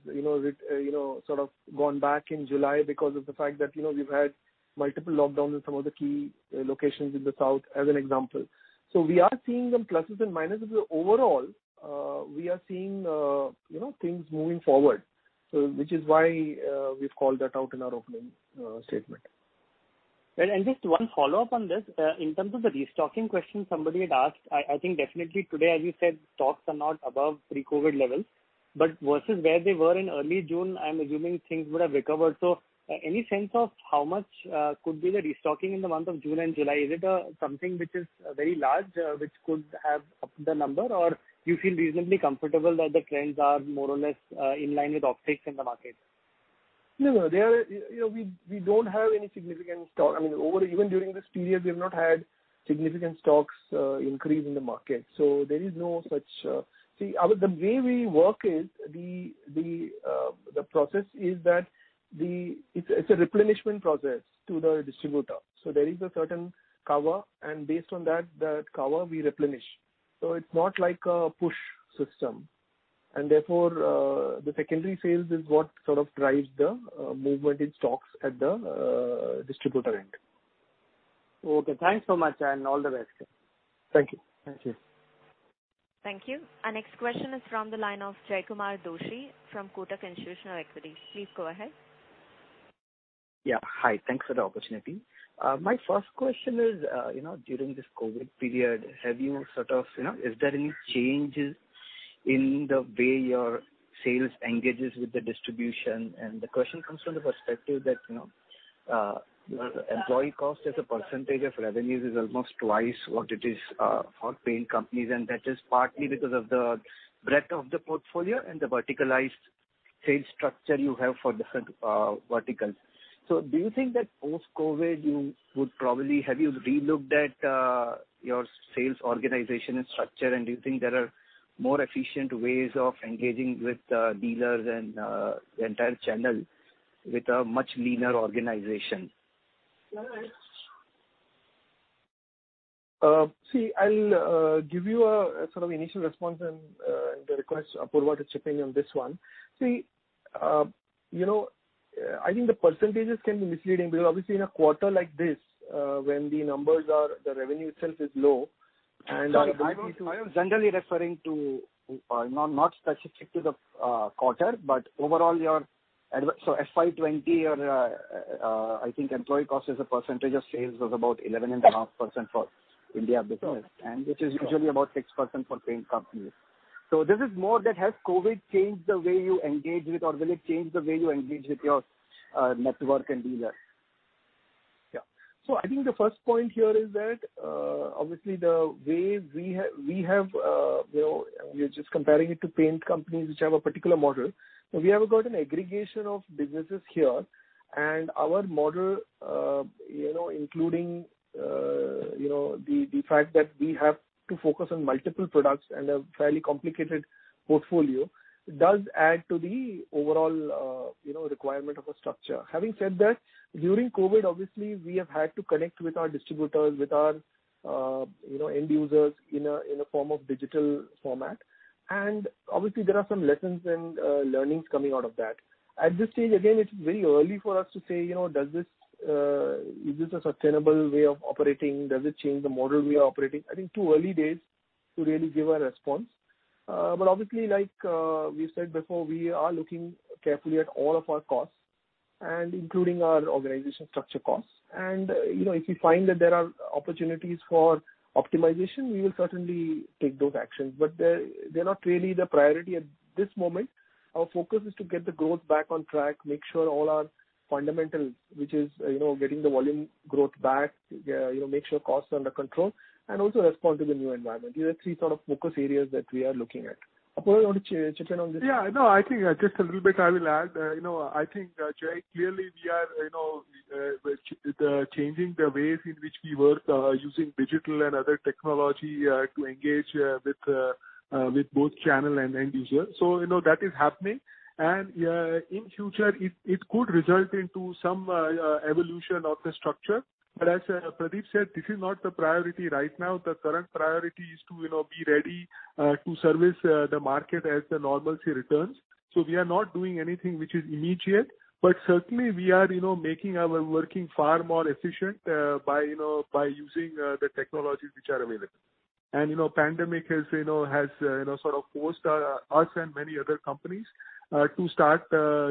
sort of gone back in July because of the fact that we've had multiple lockdowns in some of the key locations in the South, as an example. We are seeing some pluses and minuses. Overall, we are seeing things moving forward, which is why we've called that out in our opening statement. Just one follow-up on this. In terms of the restocking question somebody had asked, I think definitely today, as you said, stocks are not above pre-COVID levels, but versus where they were in early June, I am assuming things would have recovered. Any sense of how much could be the restocking in the month of June and July? Is it something which is very large, which could have upped the number? You feel reasonably comfortable that the trends are more or less in line with optics in the market? No, no. We don't have any significant stock. Even during this period, we've not had significant stocks increase in the market. There is no such. See, the way we work is the process is that it's a replenishment process to the distributor. There is a certain cover, and based on that cover, we replenish. It's not like a push system, and therefore, the secondary sales is what sort of drives the movement in stocks at the distributor end. Okay. Thanks so much, and all the best. Thank you. Thank you. Our next question is from the line of Jaykumar Doshi from Kotak Institutional Equities. Please go ahead. Yeah. Hi. Thanks for the opportunity. My first question is during this COVID period, is there any changes in the way your sales engages with the distribution? The question comes from the perspective that your employee cost as a percentage of revenues is almost twice what it is for paint companies, and that is partly because of the breadth of the portfolio and the verticalized sales structure you have for different verticals. Do you think that post-COVID, have you relooked at your sales organization and structure, and do you think there are more efficient ways of engaging with dealers and the entire channel with a much leaner organization? See, I'll give you a sort of initial response and request Apurva to chip in on this one. See, I think the percentages can be misleading because obviously in a quarter like this when the revenue itself is low. I was generally referring to, not specific to the quarter, but overall your FY 2020, I think employee cost as a percentage of sales was about 11.5% for India business, and which is usually about 6% for paint companies. This is more that has COVID changed the way you engage with, or will it change the way you engage with your network and dealers? Yeah. I think the first point here is that, obviously the way we're just comparing it to paint companies which have a particular model. We have got an aggregation of businesses here and our model, including the fact that we have to focus on multiple products and a fairly complicated portfolio does add to the overall requirement of a structure. Having said that, during COVID, obviously, we have had to connect with our distributors, with our end users in a form of digital format. Obviously there are some lessons and learnings coming out of that. At this stage, again, it's very early for us to say, is this a sustainable way of operating? Does it change the model we are operating? I think too early days to really give a response. Obviously like we said before, we are looking carefully at all of our costs and including our organization structure costs. If we find that there are opportunities for optimization, we will certainly take those actions. They're not really the priority at this moment. Our focus is to get the growth back on track, make sure all our fundamentals, which is getting the volume growth back, make sure costs are under control and also respond to the new environment. These are three sort of focus areas that we are looking at. Apurva you want to chip in on this? Yeah, no, I think just a little bit I will add. I think, Jay, clearly we are changing the ways in which we work, using digital and other technology to engage with both channel and end user. That is happening and in future it could result into some evolution of the structure. As Pradip said, this is not the priority right now. The current priority is to be ready to service the market as the normalcy returns. We are not doing anything which is immediate, but certainly we are making our working far more efficient by using the technologies which are available. Pandemic has sort of forced us and many other companies to start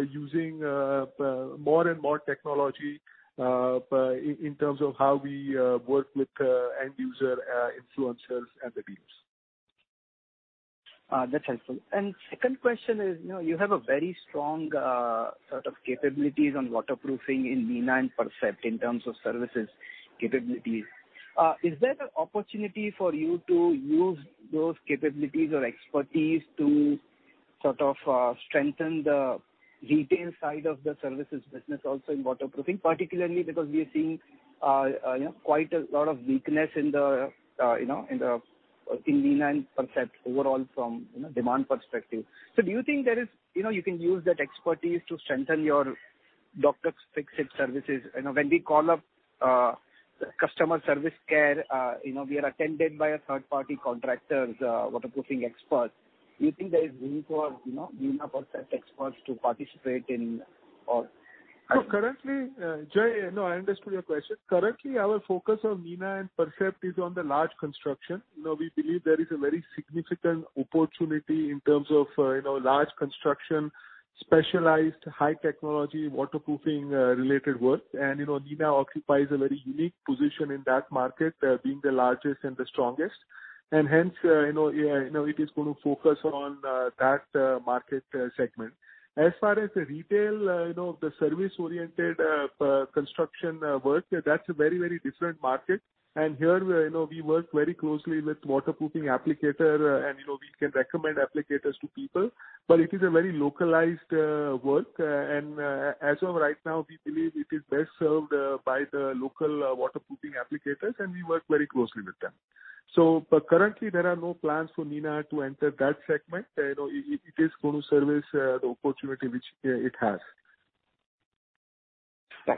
using more and more technology in terms of how we work with end user influencers and the dealers. That's helpful. Second question is, you have a very strong sort of capabilities on waterproofing in Nina and Percept in terms of services capabilities. Is there an opportunity for you to use those capabilities or expertise to sort of strengthen the retail side of the services business also in waterproofing, particularly because we are seeing quite a lot of weakness in Nina and Percept overall from demand perspective? Do you think you can use that expertise to strengthen your Dr. Fixit services? When we call up customer service care we are attended by a third party contractors, waterproofing experts. Do you think there is room for Nina and Percept experts to participate in all? Jay, no, I understood your question. Currently, our focus on Nina and Percept is on the large construction. We believe there is a very significant opportunity in terms of large construction, specialized high technology, waterproofing related work. Nina occupies a very unique position in that market, being the largest and the strongest. Hence, it is going to focus on that market segment. As far as the retail, the service-oriented construction work, that's a very different market. Here we work very closely with waterproofing applicator and we can recommend applicators to people, but it is a very localized work. As of right now, we believe it is best served by the local waterproofing applicators, and we work very closely with them. Currently there are no plans for Nina to enter that segment. It is going to service the opportunity which it has.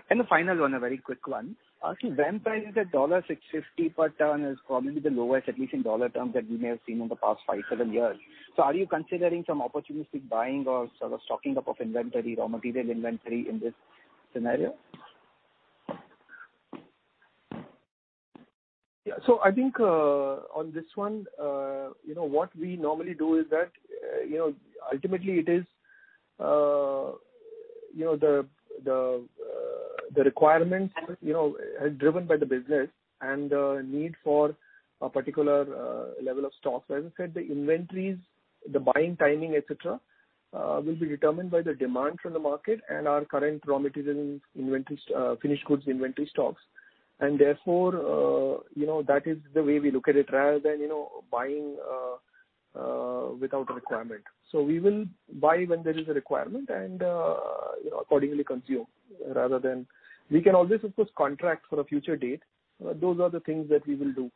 The final one, a very quick one. Actually, VAM prices at $650 per ton is probably the lowest, at least in dollar terms that we may have seen in the past five, seven years. Are you considering some opportunistic buying or sort of stocking up of inventories or material inventory in this scenario? Yeah. I think, on this one, what we normally do is that, ultimately it is the requirements driven by the business and the need for a particular level of stocks. As I said, the inventories, the buying timing, et cetera, will be determined by the demand from the market and our current raw materials, finished goods inventory stocks, and therefore that is the way we look at it rather than buying without a requirement. We will buy when there is a requirement and accordingly consume rather than We can always, of course, contract for a future date. Those are the things that we will do.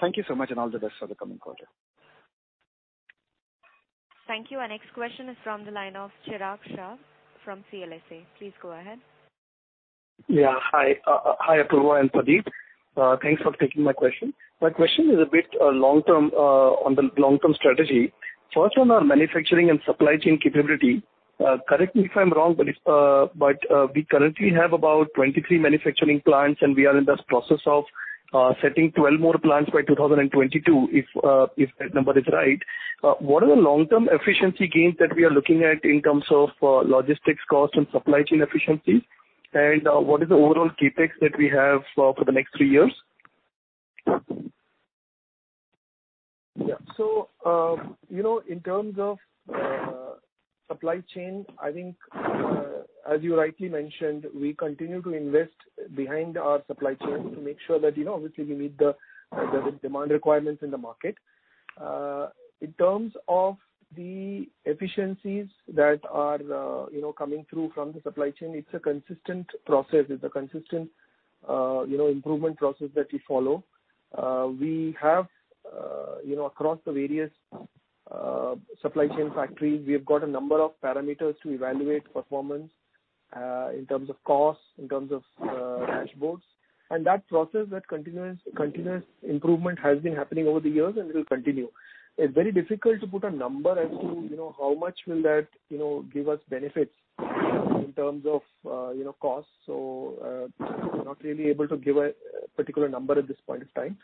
Thank you so much and all the best for the coming quarter. Thank you. Our next question is from the line of Chirag Shah from CLSA. Please go ahead. Yeah. Hi, Apurva and Pradip. Thanks for taking my question. My question is a bit on the long-term strategy. First, on our manufacturing and supply chain capability, correct me if I'm wrong, but we currently have about 23 manufacturing plants, and we are in the process of setting 12 more plants by 2022, if that number is right. What are the long-term efficiency gains that we are looking at in terms of logistics cost and supply chain efficiency? What is the overall CapEx that we have for the next three years? Yeah. In terms of supply chain, I think as you rightly mentioned, we continue to invest behind our supply chain to make sure that obviously we meet the demand requirements in the market. In terms of the efficiencies that are coming through from the supply chain, it's a consistent process. It's a consistent improvement process that we follow. We have, across the various supply chain factories, we have got a number of parameters to evaluate performance in terms of cost, in terms of dashboards. That process, that continuous improvement has been happening over the years and will continue. It's very difficult to put a number as to how much will that give us benefits in terms of cost. We're not really able to give a particular number at this point in time.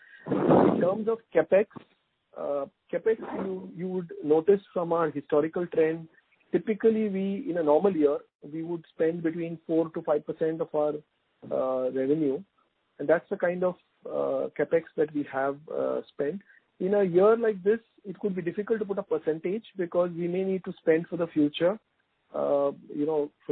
In terms of CapEx, you would notice from our historical trend, typically in a normal year, we would spend between 4%-5% of our revenue, that's the kind of CapEx that we have spent. In a year like this, it could be difficult to put a percentage because we may need to spend for the future. For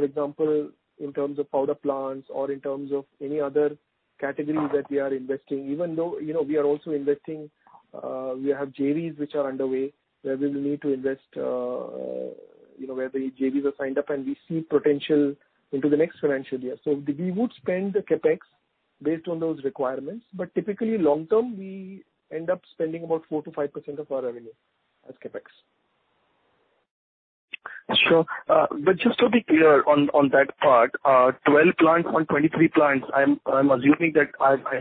example, in terms of powder plants or in terms of any other categories that we are investing. Even though we are also investing, we have JVs which are underway, where we will need to invest, where the JVs are signed up, we see potential into the next financial year. We would spend the CapEx based on those requirements. Typically long term, we end up spending about 4%-5% of our revenue as CapEx. Sure. Just to be clear on that part, 12 plants on 23 plants, I am assuming that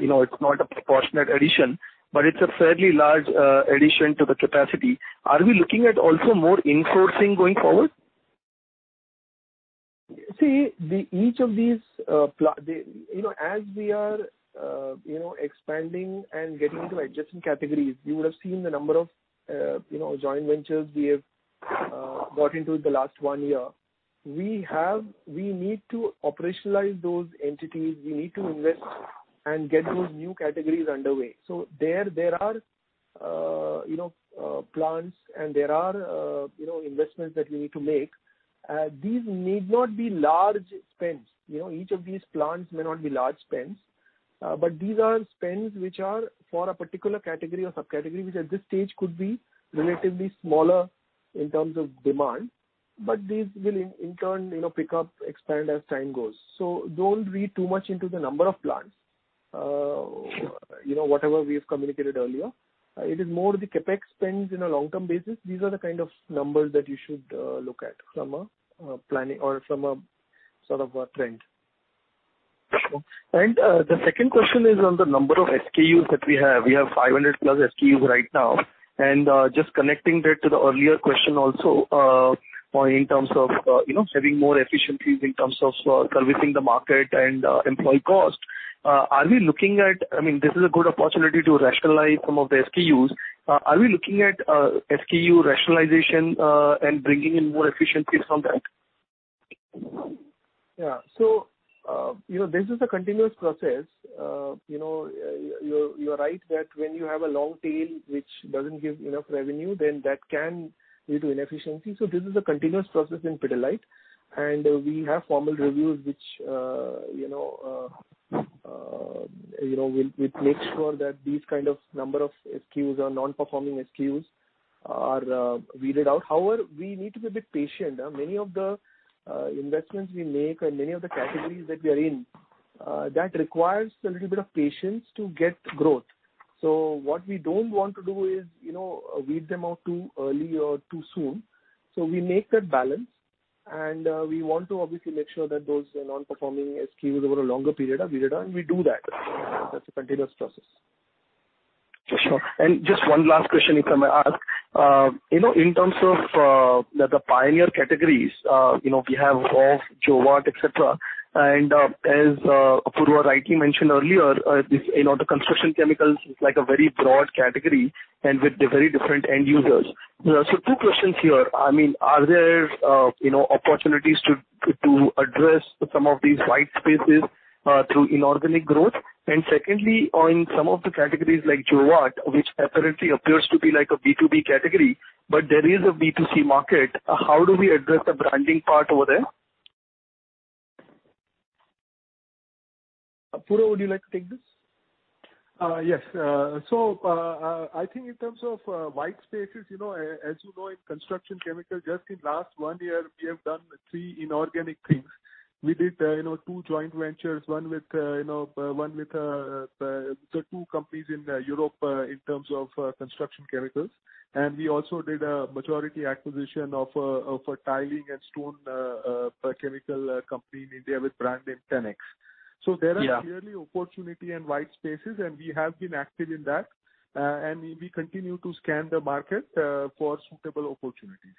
it is not a proportionate addition, but it is a fairly large addition to the capacity. Are we looking at also more in-sourcing going forward? See, as we are expanding and getting into adjacent categories, you would have seen the number of joint ventures we have got into in the last one year. We need to operationalize those entities. We need to invest and get those new categories underway. There are plants and there are investments that we need to make. These need not be large spends. Each of these plants may not be large spends. These are spends which are for a particular category or subcategory, which at this stage could be relatively smaller in terms of demand, but these will in turn pick up, expand as time goes. Don't read too much into the number of plants, whatever we have communicated earlier. It is more the CapEx spends in a long-term basis. These are the kind of numbers that you should look at from a planning or from a sort of a trend. Sure. The second question is on the number of SKUs that we have. We have +500 SKUs right now. Just connecting that to the earlier question also in terms of having more efficiencies in terms of servicing the market and employee cost. This is a good opportunity to rationalize some of the SKUs. Are we looking at SKU rationalization and bringing in more efficiencies from that? This is a continuous process. You are right that when you have a long tail which doesn't give enough revenue, then that can lead to inefficiency. This is a continuous process in Pidilite, and we have formal reviews which make sure that these kind of number of SKUs or non-performing SKUs are weeded out. We need to be a bit patient. Many of the investments we make and many of the categories that we are in, that requires a little bit of patience to get growth. What we don't want to do is weed them out too early or too soon. We make that balance, and we want to obviously make sure that those non-performing SKUs over a longer period are weeded out, and we do that. That's a continuous process. For sure. Just one last question, if I may ask. In terms of the pioneer categories, we have Roff, Jowat, et cetera. As Apurva rightly mentioned earlier, the construction chemicals is like a very broad category and with very different end users. Two questions here. Are there opportunities to address some of these white spaces through inorganic growth? Secondly, on some of the categories like Jowat, which apparently appears to be like a B2B category, but there is a B2C market, how do we address the branding part over there? Apurva, would you like to take this? Yes. I think in terms of white spaces, as you know, in construction chemicals, just in last one year, we have done three inorganic things. We did two joint ventures, one with the two companies in Europe in terms of construction chemicals. We also did a majority acquisition of a tiling and stone chemical company in India with brand name Tenax. Yeah. Clearly opportunity and white spaces, and we have been active in that, and we continue to scan the market for suitable opportunities.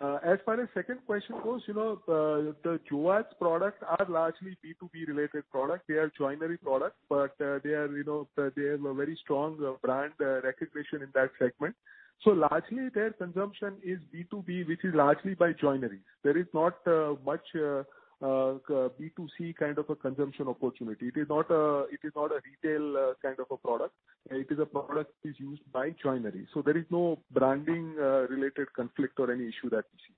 For the second question, the Jowat products are largely B2B related product. They are joinery product, but they have a very strong brand recognition in that segment. Largely their consumption is B2B, which is largely by joineries. There is not much B2C kind of a consumption opportunity. It is not a retail kind of a product. It is a product which is used by joinery, so there is no branding related conflict or any issue that we see.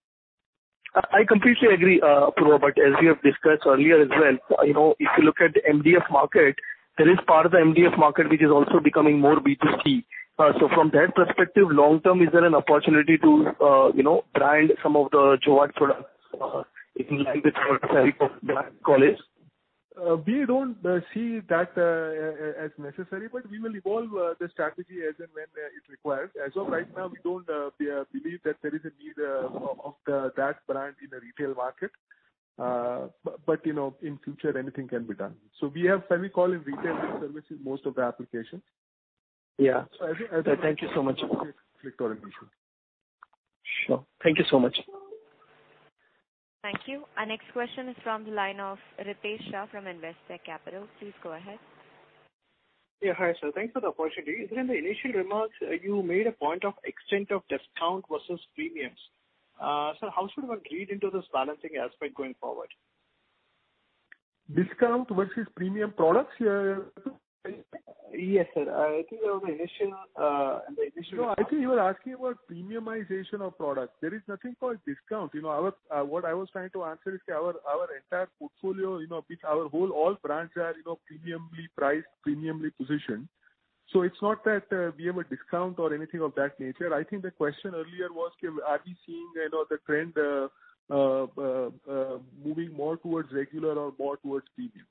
I completely agree, Apurva, but as we have discussed earlier as well, if you look at the MDF market, there is part of the MDF market which is also becoming more B2C. From that perspective, long term, is there an opportunity to brand some of the Jowat products in line with FEVICOL brand portfolio? We don't see that as necessary. We will evolve the strategy as and when it's required. As of right now, we don't believe that there is a need of that brand in a retail market. In future, anything can be done. We have FEVICOL in retail service in most of the applications. Yeah. As Thank you so much. Issue. Sure. Thank you so much. Thank you. Our next question is from the line of Ritesh Shah from Investec Capital. Please go ahead. Yeah. Hi, sir. Thanks for the opportunity. Sir, in the initial remarks, you made a point of extent of discount versus premiums. Sir, how should one read into this balancing aspect going forward? Discount versus premium products? Yes, sir. I think in the initial part. I think you were asking about premiumization of products. There is nothing called discount. What I was trying to answer is our entire portfolio, all brands are premiumly priced, premiumly positioned. It's not that we have a discount or anything of that nature. I think the question earlier was, are we seeing the trend moving more towards regular or more towards premium?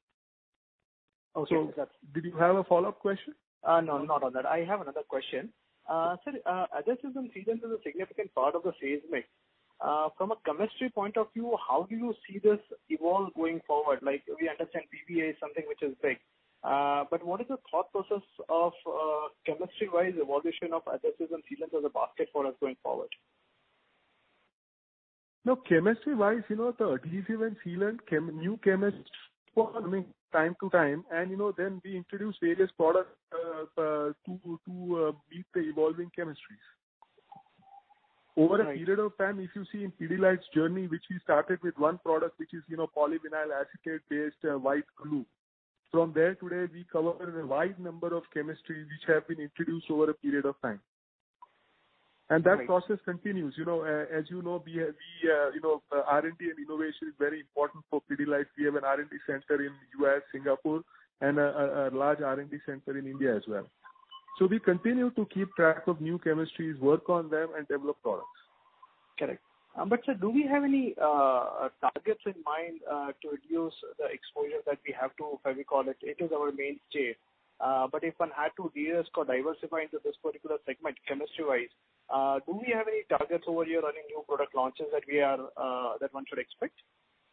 Okay. Did you have a follow-up question? No, not on that. I have another question. Sir, adhesives and sealants is a significant part of the sales mix. From a chemistry point of view, how do you see this evolve going forward? We understand PVA is something which is big. What is the thought process of chemistry-wise evolution of adhesives and sealants as a basket product going forward? Chemistry-wise, the adhesive and sealant, new chemistries time to time, and then we introduce various products to beat the evolving chemistries. Right. Over a period of time, if you see Pidilite's journey, which we started with one product, which is polyvinyl acetate based white glue. From there today, we cover a wide number of chemistries which have been introduced over a period of time. Right. That process continues. As you know, R&D and innovation is very important for Pidilite. We have an R&D center in U.S., Singapore, and a large R&D center in India as well. We continue to keep track of new chemistries, work on them and develop products. Correct. Sir, do we have any targets in mind to reduce the exposure that we have to FEVICOL? It is our mainstay. If one had to de-risk or diversify into this particular segment, chemistry-wise, do we have any targets over here or any new product launches that one should expect?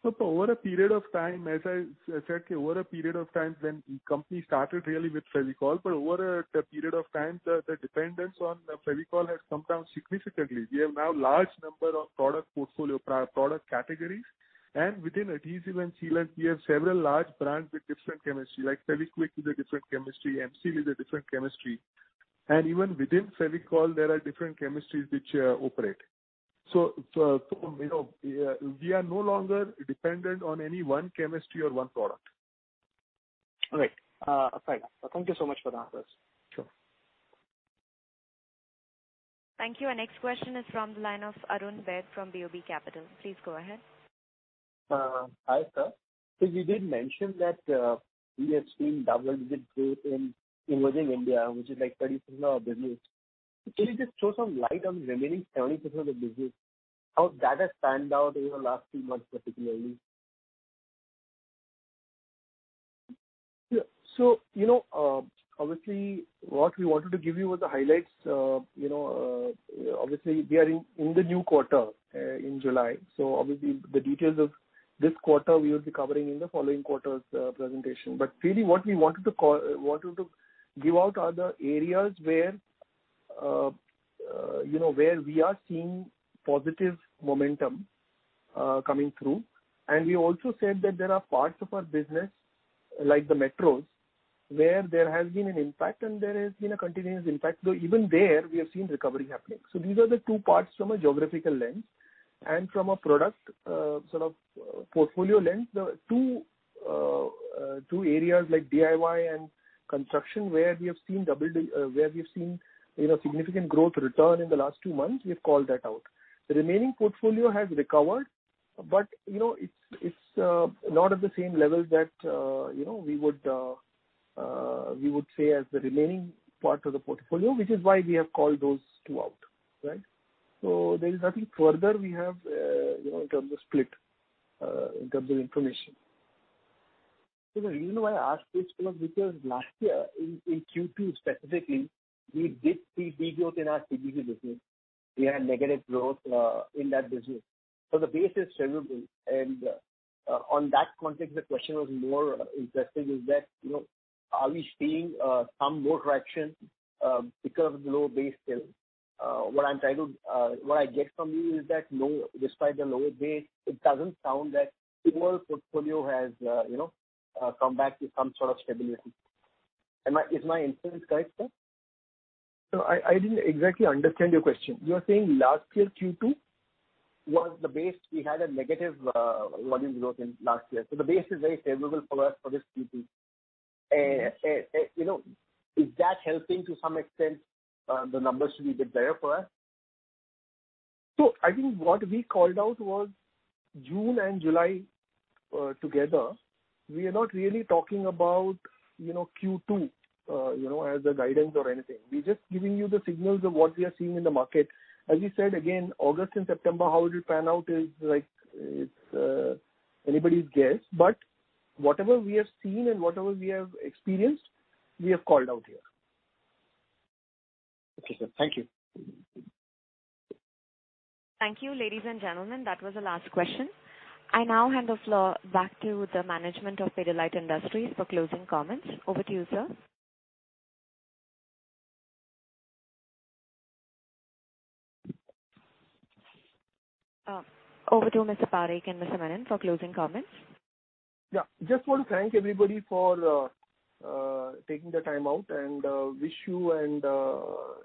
Over a period of time, as I said, over a period of time, when the company started really with FEVICOL, over a period of time, the dependence on FEVICOL has come down significantly. We have now large number of product portfolio, product categories. Within adhesive and sealant, we have several large brands with different chemistry. Like Fevikwik is a different chemistry, M-Seal is a different chemistry. Even within FEVICOL, there are different chemistries which operate. We are no longer dependent on any one chemistry or one product. All right. Fair enough. Thank you so much for the answers. Sure. Thank you. Our next question is from the line of Arun Baid from BOB Capital. Please go ahead. Hi, sir. You did mention that we have seen double-digit growth in within India, which is like 30% of business. Can you just throw some light on the remaining 20% of the business? How that has panned out in the last few months, particularly? Yeah. Obviously what we wanted to give you was the highlights. Obviously we are in the new quarter, in July. Obviously the details of this quarter we will be covering in the following quarter's presentation. Really what we wanted to give out are the areas where we are seeing positive momentum coming through. We also said that there are parts of our business, like the metros, where there has been an impact and there has been a continuous impact, though even there we have seen recovery happening. These are the two parts from a geographical lens. From a product sort of portfolio lens, the two areas like DIY and construction, where we have seen significant growth return in the last two months, we've called that out. The remaining portfolio has recovered, but it's not at the same level that we would say as the remaining part of the portfolio, which is why we have called those two out. Right? There is nothing further we have in terms of split, in terms of information. You know why I asked this? Last year in Q2 specifically, we did see de-growth in our PCP business. We had negative growth in that business. The base is favorable, and on that context, the question was more interesting is that, are we seeing some more traction because of the lower base still? What I get from you is that despite the lower base, it doesn't sound that the overall portfolio has come back to some sort of stability. Is my inference correct, sir? No, I didn't exactly understand your question. You are saying last year, Q2 was the base. We had a negative volume growth in last year, so the base is very favorable for us for this Q2. Is that helping to some extent, the numbers to be bit better for us? I think what we called out was June and July together. We are not really talking about Q2 as a guidance or anything. We're just giving you the signals of what we are seeing in the market. We said, again, August and September, how it will pan out is anybody's guess, but whatever we have seen and whatever we have experienced, we have called out here. Okay, sir. Thank you. Thank you, ladies and gentlemen. That was the last question. I now hand the floor back to the management of Pidilite Industries for closing comments. Over to you, sir. Over to Mr. Parekh and Mr. Menon for closing comments. Yeah. Just want to thank everybody for taking the time out and wish you and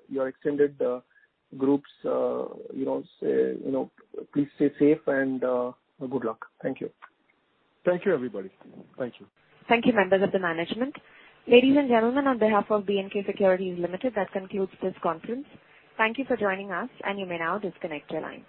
your extended groups, please stay safe and good luck. Thank you. Thank you, everybody. Thank you. Thank you, members of the management. Ladies and gentlemen, on behalf of B&K Securities Ltd, that concludes this conference. Thank you for joining us, and you may now disconnect your lines.